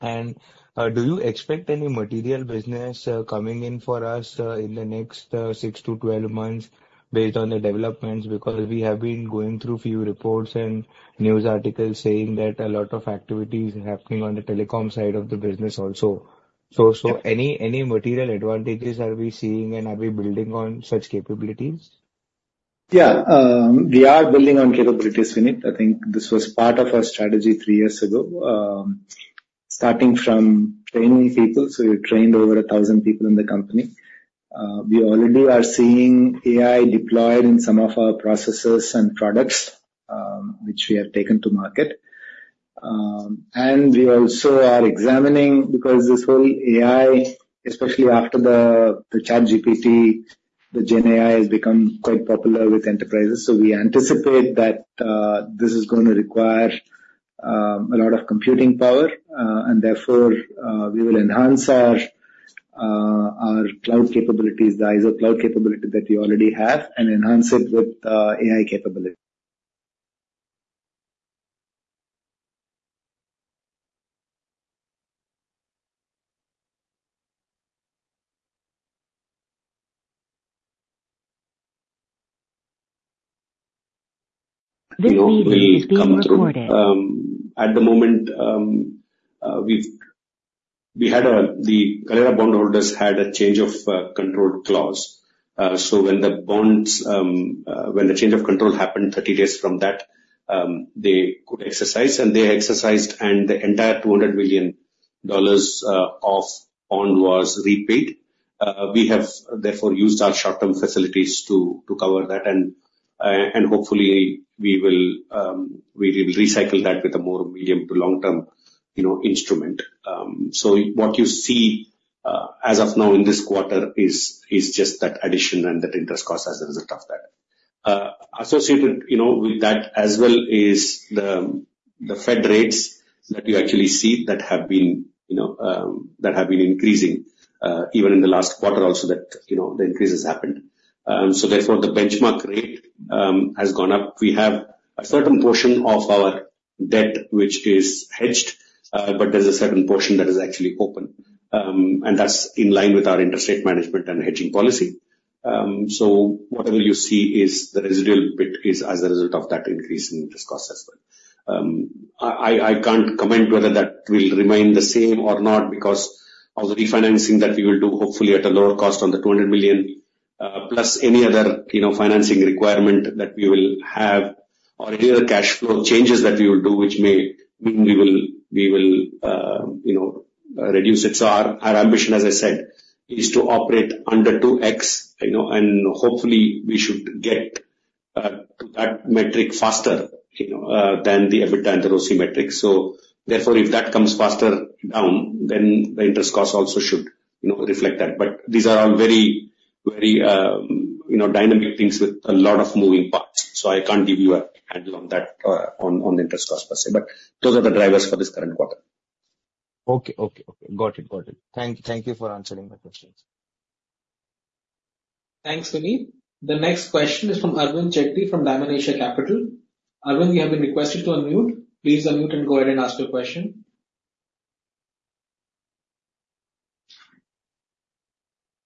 [SPEAKER 9] And do you expect any material business coming in for us in the next six to 12 months based on the developments? Because we have been going through a few reports and news articles saying that a lot of activity is happening on the telecom side of the business also. So any material advantages are we seeing, and are we building on such capabilities?
[SPEAKER 2] Yeah, we are building on capabilities, Vineet. I think this was part of our strategy three years ago. Starting from training people, so we trained over 1,000 people in the company. We already are seeing AI deployed in some of our processes and products, which we have taken to market. And we also are examining, because this whole AI, especially after the, the ChatGPT, the GenAI, has become quite popular with enterprises. So we anticipate that, this is going to require, a lot of computing power, and therefore, we will enhance our, our cloud capabilities, the IZO cloud capability that we already have, and enhance it with, AI capability.
[SPEAKER 3] You know, we come through. At the moment, the Kaleyra bondholders had a change of control clause. So when the bonds, when the change of control happened, 30 days from that, they could exercise, and they exercised, and the entire $200 million of bond was repaid. We have therefore used our short-term facilities to cover that, and hopefully we will recycle that with a more medium to long-term, you know, instrument. So what you see as of now in this quarter is just that addition and that interest cost as a result of that. Associated, you know, with that as well is the Fed rates that you actually see that have been, you know, that have been increasing. Even in the last quarter also that, you know, the increase has happened. So therefore, the benchmark rate has gone up. We have a certain portion of our debt which is hedged, but there's a certain portion that is actually open. And that's in line with our interest rate management and hedging policy. So whatever you see is the residual bit, is as a result of that increase in interest cost as well. I can't comment whether that will remain the same or not, because of the refinancing that we will do, hopefully at a lower cost on the $200 million, plus any other, you know, financing requirement that we will have or any other cash flow changes that we will do, which may mean we will, we will, you know, reduce it. So our ambition, as I said, is to operate under 2x, you know, and hopefully we should get to that metric faster, you know, than the EBITDA and the ROC metric. So therefore, if that comes faster down, then the interest cost also should, you know, reflect that. But these are very, very, you know, dynamic things with a lot of moving parts, so I can't give you a handle on that, on the interest cost per se, but those are the drivers for this current quarter.
[SPEAKER 9] Okay. Got it. Thank you for answering my questions.
[SPEAKER 4] Thanks, Vineet. The next question is from Arvind Jagti, from Diamond Asia Capital. Arvind, you have been requested to unmute. Please unmute and go ahead and ask your question.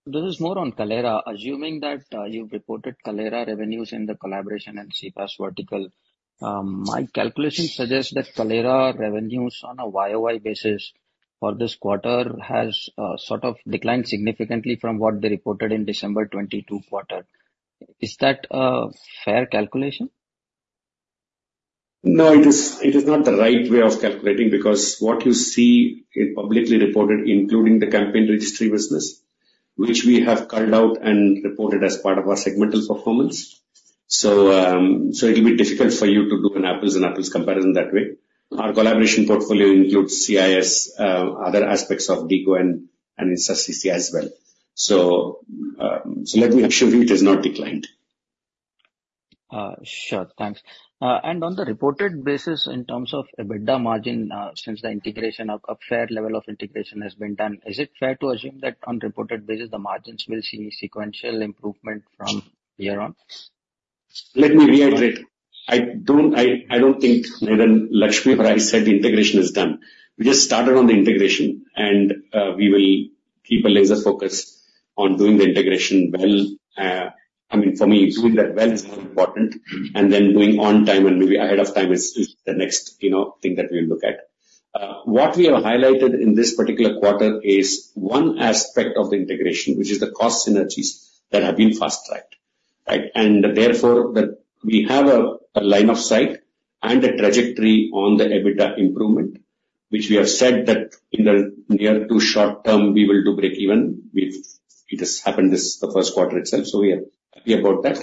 [SPEAKER 10] This is more on Kaleyra. Assuming that, you've reported Kaleyra revenues in the collaboration and CPaaS vertical, my calculation suggests that Kaleyra revenues on a YOY basis for this quarter has, sort of declined significantly from what they reported in December 2022 quarter. Is that a fair calculation?
[SPEAKER 3] No, it is, it is not the right way of calculating, because what you see is publicly reported, including the Campaign Registry business, which we have carved out and reported as part of our segmental performance. So, so it'll be difficult for you to do an apples and apples comparison that way. Our collaboration portfolio includes CIS, other aspects of DIGO and, and InstaCC as well. So, so let me assure you, it has not declined.
[SPEAKER 10] Sure. Thanks. And on the reported basis, in terms of EBITDA margin, since the integration of a fair level of integration has been done, is it fair to assume that on reported basis, the margins will see sequential improvement from here on?
[SPEAKER 3] Let me reiterate, I don't, I don't think neither Lakshmi or I said the integration is done. We just started on the integration, and we will keep a laser focus on doing the integration well. I mean, for me, doing that well is more important, and then doing on time and maybe ahead of time is the next, you know, thing that we'll look at. What we have highlighted in this particular quarter is one aspect of the integration, which is the cost synergies that have been fast-tracked, right? And therefore, we have a line of sight and a trajectory on the EBITDA improvement, which we have said that in the near to short term, we will do break even. It has happened this, the first quarter itself, so we are happy about that.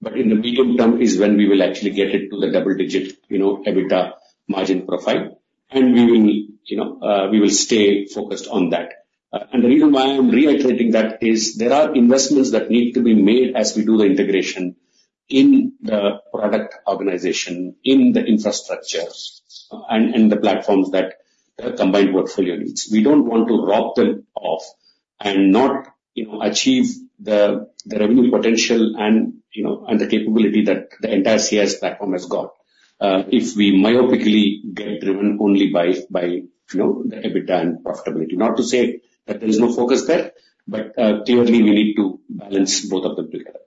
[SPEAKER 3] But in the medium term is when we will actually get it to the double digit, you know, EBITDA margin profile, and we will, you know, we will stay focused on that. And the reason why I'm reiterating that is there are investments that need to be made as we do the integration in the product organization, in the infrastructure, and the platforms that the combined portfolio needs. We don't want to rob them off and not, you know, achieve the revenue potential and, you know, and the capability that the entire CIS platform has got, if we myopically get driven only by, you know, the EBITDA and profitability. Not to say that there is no focus there, but, clearly we need to balance both of them together.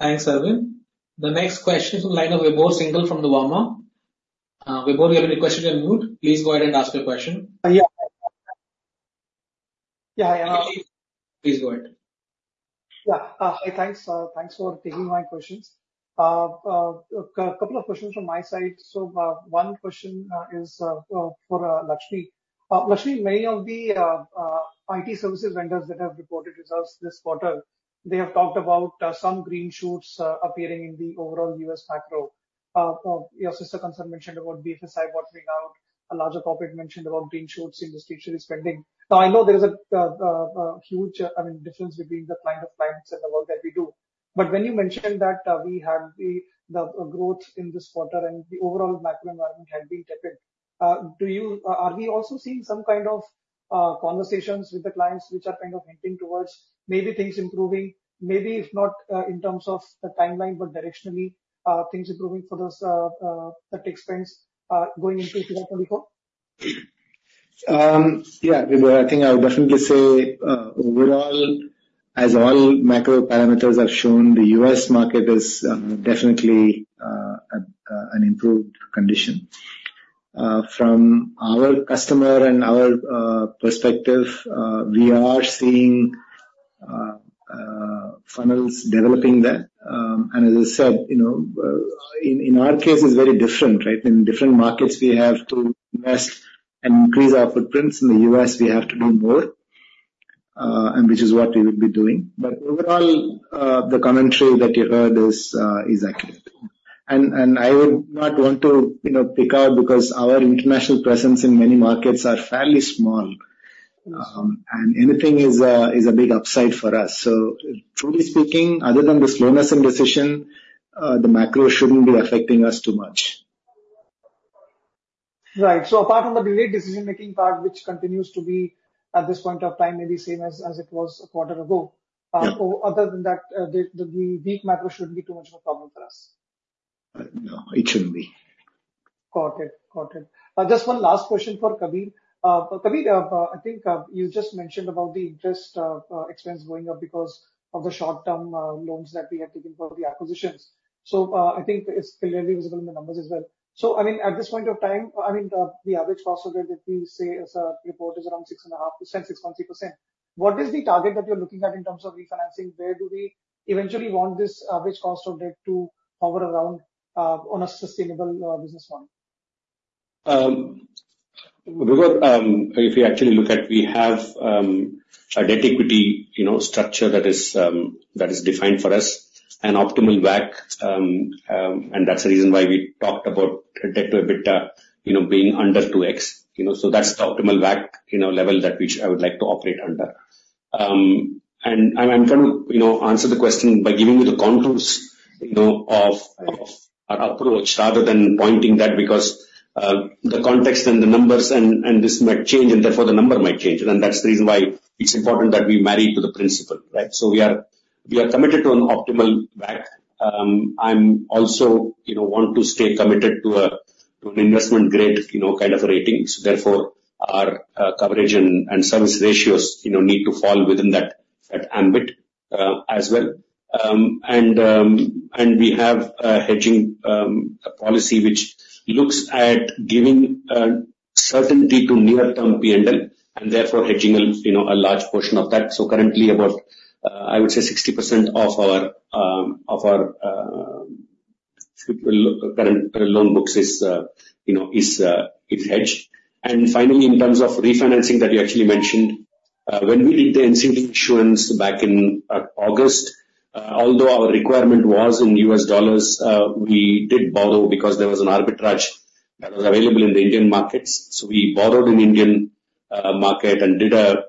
[SPEAKER 4] Thanks, Arvind. The next question from Vibhor Singhal from Nuvama. Vibhor, you have your question. Unmute. Please go ahead and ask your question.
[SPEAKER 11] Yeah. Yeah, I,
[SPEAKER 1] Please go ahead.
[SPEAKER 11] Yeah. Hi, thanks for taking my questions. Couple of questions from my side. So, one question is for Lakshmi. Lakshmi, many of the IT services vendors that have reported results this quarter, they have talked about some green shoots appearing in the overall U.S. macro. Your sister concern mentioned about BFSI watering out. A larger corporate mentioned about green shoots in discretionary spending. Now, I know there is a huge, I mean, difference between the client of clients and the work that we do. But when you mentioned that we had the growth in this quarter and the overall macro environment had been tepid, do you... Are we also seeing some kind of conversations with the clients which are kind of hinting towards maybe things improving, maybe if not in terms of the timeline, but directionally, things improving for those tech spends going into 2024?
[SPEAKER 2] Yeah, Vibhor, I think I would definitely say overall, as all macro parameters have shown, the U.S. market is definitely at an improved condition. From our customer and our perspective, we are seeing funnels developing there. And as I said, you know, in our case, it's very different, right? In different markets, we have to invest and increase our footprints. In the U.S., we have to do more, and which is what we will be doing. But overall, the commentary that you heard is accurate. And I would not want to, you know, pick out, because our international presence in many markets are fairly small, and anything is a big upside for us. So truly speaking, other than the slowness in decision, the macro shouldn't be affecting us too much.
[SPEAKER 11] Right. So apart from the delayed decision-making part, which continues to be at this point of time, maybe same as, as it was a quarter ago-
[SPEAKER 2] Yeah.
[SPEAKER 11] Other than that, the weak macro shouldn't be too much of a problem for us?
[SPEAKER 2] No, it shouldn't be.
[SPEAKER 11] Got it. Got it. Just one last question for Kabir. Kabir, I think you just mentioned about the interest expense going up because of the short-term loans that we had taken for the acquisitions. So, I think it's clearly visible in the numbers as well. So, I mean, at this point of time, I mean, the average cost of debt, if we say as a report, is around 6.5%, 6.3%. What is the target that you're looking at in terms of refinancing? Where do we eventually want this average cost of debt to hover around on a sustainable business model?...
[SPEAKER 3] If you actually look at, we have a debt equity, you know, structure that is, that is defined for us, an optimal WACC. That's the reason why we talked about debt to EBITDA, you know, being under 2x. You know, so that's the optimal WACC, you know, level that which I would like to operate under. And, and I'm going to, you know, answer the question by giving you the contours, you know, of, of our approach rather than pointing that, because, the context and the numbers and, and this might change, and therefore the number might change. That's the reason why it's important that we marry to the principle, right? So we are, we are committed to an optimal WACC. I'm also, you know, want to stay committed to a, to an investment grade, you know, kind of rating. So therefore, our, coverage and, and service ratios, you know, need to fall within that, that ambit, as well. And we have a hedging policy which looks at giving a certainty to near-term PNL, and therefore hedging a, you know, a large portion of that. So currently about, I would say 60% of our, of our, current loan books is, you know, is, is hedged. And finally, in terms of refinancing that you actually mentioned, when we did the NCD issuance back in August, although our requirement was in U.S. dollars, we did borrow because there was an arbitrage that was available in the Indian markets. So we borrowed in Indian market and did a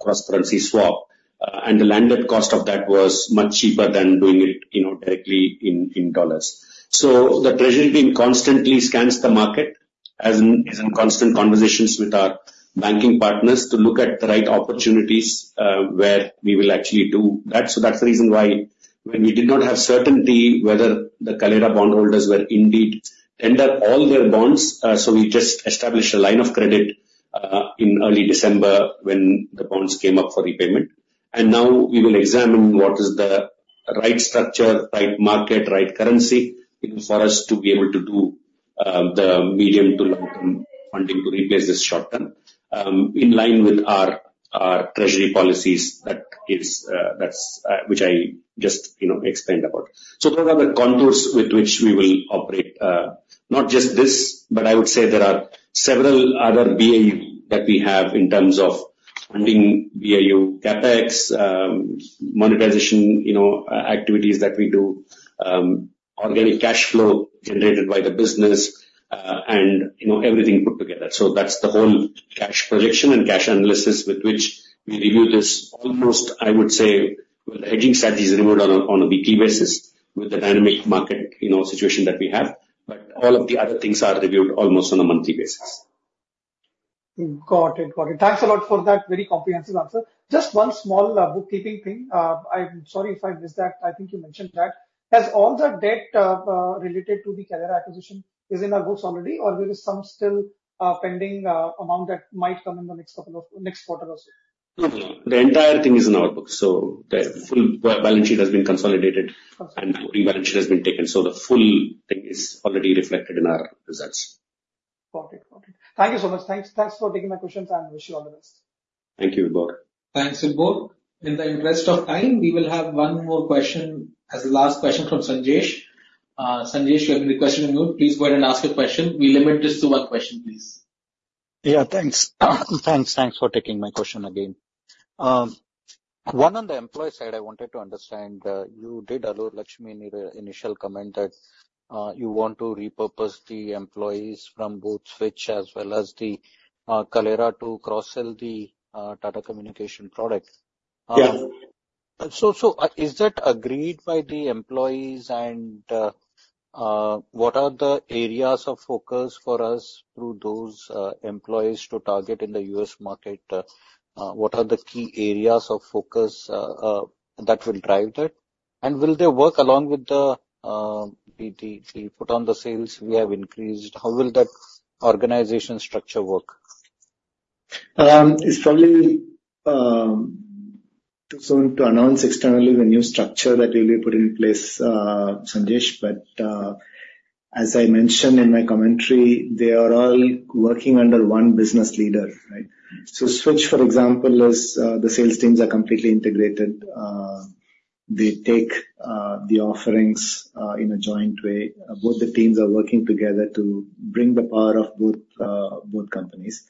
[SPEAKER 3] cross-currency swap. And the landed cost of that was much cheaper than doing it, you know, directly in US dollars. So the treasury team constantly scans the market and is in constant conversations with our banking partners, to look at the right opportunities, where we will actually do that. So that's the reason why when we did not have certainty whether the Kaleyra bondholders were indeed tender all their bonds, so we just established a line of credit, in early December when the bonds came up for repayment. And now we will examine what is the right structure, right market, right currency, you know, for us to be able to do, the medium- to long-term funding to replace this short-term. In line with our treasury policies that is, which I just, you know, explained about. So those are the contours with which we will operate, not just this, but I would say there are several other BAU that we have in terms of funding BAU CapEx, monetization, you know, activities that we do, organic cash flow generated by the business, and, you know, everything put together. So that's the whole cash projection and cash analysis with which we review this. Almost, I would say, well, hedging set is reviewed on a weekly basis with the dynamic market, you know, situation that we have. But all of the other things are reviewed almost on a monthly basis.
[SPEAKER 11] Got it. Got it. Thanks a lot for that very comprehensive answer. Just one small, bookkeeping thing. I'm sorry if I missed that. I think you mentioned that. Has all the debt related to the Kaleyra acquisition is in our books already, or there is some still, pending, amount that might come in the next couple of... next quarter or so?
[SPEAKER 3] No. The entire thing is in our books, so the full balance sheet has been consolidated-
[SPEAKER 11] Okay.
[SPEAKER 3] Rebalanced sheet has been taken, so the full thing is already reflected in our results.
[SPEAKER 11] Got it. Got it. Thank you so much. Thanks, thanks for taking my questions, and wish you all the best.
[SPEAKER 3] Thank you, Vibhor.
[SPEAKER 4] Thanks, Vibhor. In the interest of time, we will have one more question as the last question from Sanjesh. Sanjesh, you have the question on mute. Please go ahead and ask your question. We limit this to one question, please.
[SPEAKER 5] Yeah, thanks. Thanks, thanks for taking my question again. One, on the employee side, I wanted to understand, you did allude, Lakshmi, in your initial comment, that you want to repurpose the employees from both Switch as well as the Kaleyra to cross-sell the Tata Communications product.
[SPEAKER 2] Yeah.
[SPEAKER 5] So, is that agreed by the employees? And what are the areas of focus for us through those employees to target in the U.S. market? What are the key areas of focus that will drive that? And will they work along with the foot on the sales we have increased? How will that organization structure work?
[SPEAKER 2] It's probably too soon to announce externally the new structure that will be put in place, Sanjesh, but as I mentioned in my commentary, they are all working under one business leader, right? So Switch, for example, the sales teams are completely integrated. They take the offerings in a joint way. Both the teams are working together to bring the power of both companies.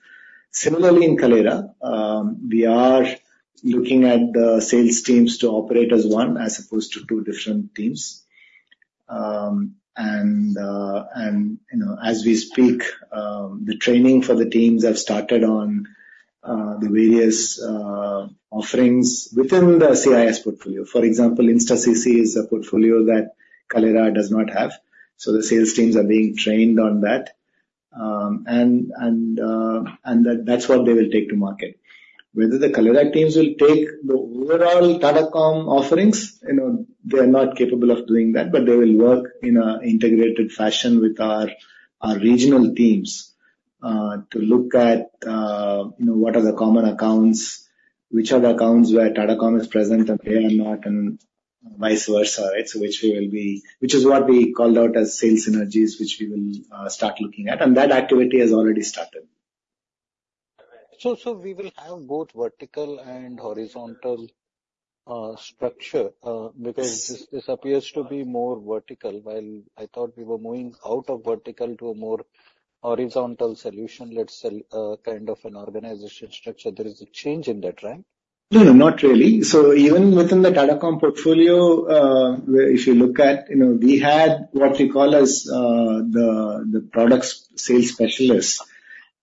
[SPEAKER 2] Similarly, in Kaleyra, we are looking at the sales teams to operate as one, as opposed to two different teams. And, you know, as we speak, the training for the teams have started on the various offerings within the CIS portfolio. For example, InstaCC is a portfolio that Kaleyra does not have, so the sales teams are being trained on that. And that, that's what they will take to market. Whether the Kaleyra teams will take the overall Tata Comm offerings, you know, they are not capable of doing that, but they will work in an integrated fashion with our regional teams to look at, you know, what are the common accounts, which are the accounts where Tata Comm is present and they are not, and vice versa, right? Which is what we called out as sales synergies, which we will start looking at, and that activity has already started. ...
[SPEAKER 5] So we will have both vertical and horizontal structure, because this appears to be more vertical, while I thought we were moving out of vertical to a more horizontal solution, let's say, kind of an organization structure. There is a change in that, right?
[SPEAKER 2] No, no, not really. So even within the Tata Comm portfolio, where if you look at, you know, we had what we call as, the product sales specialists.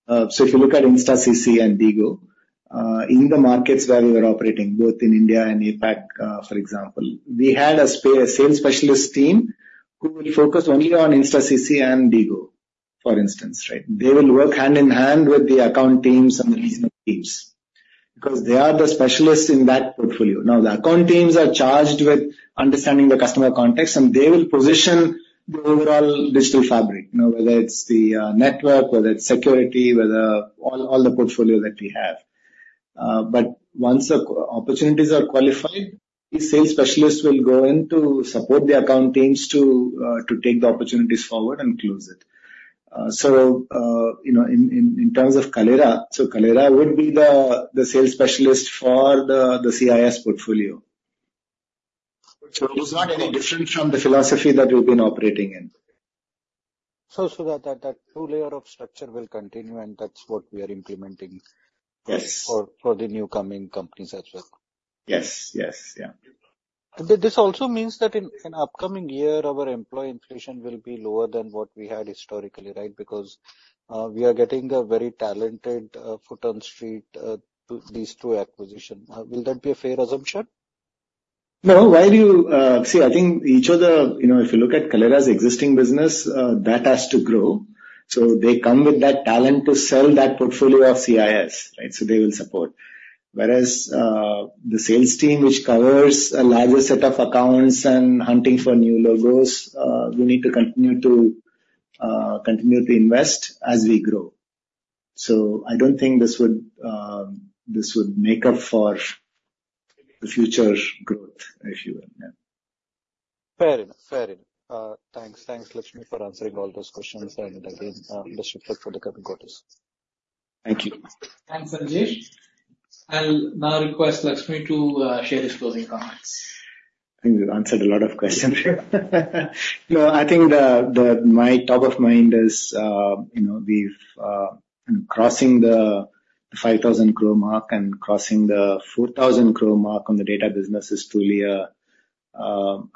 [SPEAKER 2] So if you look at InstaCC and DIGO, in the markets where we were operating, both in India and APAC, for example, we had a sales specialist team who will focus only on InstaCC and DIGO, for instance, right? They will work hand in hand with the account teams and the regional teams, because they are the specialists in that portfolio. Now, the account teams are charged with understanding the customer context, and they will position the overall Digital Fabric, you know, whether it's the network, whether it's security, whether all the portfolio that we have. But once the opportunities are qualified, the sales specialists will go in to support the account teams to take the opportunities forward and close it. So, you know, in terms of Kaleyra, so Kaleyra would be the sales specialist for the CIS portfolio. So it's not any different from the philosophy that we've been operating in.
[SPEAKER 5] So that two-layer structure will continue, and that's what we are implementing-
[SPEAKER 2] Yes.
[SPEAKER 5] for the new coming companies as well?
[SPEAKER 2] Yes, yes. Yeah.
[SPEAKER 5] This also means that in upcoming year, our employee inflation will be lower than what we had historically, right? Because we are getting a very talented foot on street through these two acquisitions. Will that be a fair assumption?
[SPEAKER 2] No, why do you... See, I think each of the, you know, if you look at Kaleyra's existing business, that has to grow. So they come with that talent to sell that portfolio of CIS, right? So they will support. Whereas, the sales team, which covers a larger set of accounts and hunting for new logos, we need to continue to continue to invest as we grow. So I don't think this would, this would make up for the future growth, if you will. Yeah.
[SPEAKER 5] Fair enough. Fair enough. Thanks. Thanks, Lakshmi, for answering all those questions, and again, best wishes for the coming quarters.
[SPEAKER 2] Thank you.
[SPEAKER 1] Thanks, Sanjesh. I'll now request Lakshmi to share his closing comments.
[SPEAKER 2] I think we've answered a lot of questions here. No, I think my top of mind is, you know, we've crossing the 5,000 crore mark and crossing the 4,000 crore mark on the data business is truly a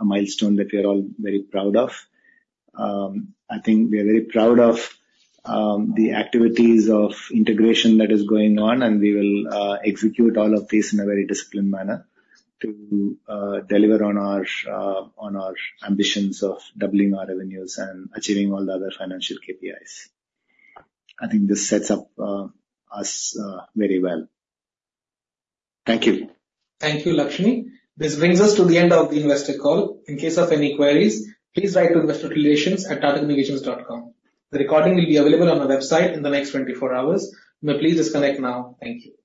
[SPEAKER 2] milestone that we are all very proud of. I think we are very proud of the activities of integration that is going on, and we will execute all of this in a very disciplined manner to deliver on our ambitions of doubling our revenues and achieving all the other financial KPIs. I think this sets up us very well. Thank you.
[SPEAKER 1] Thank you, Lakshmi. This brings us to the end of the investor call. In case of any queries, please write to investorrelations@tatacommunications.com. The recording will be available on our website in the next 24 hours. You may please disconnect now. Thank you.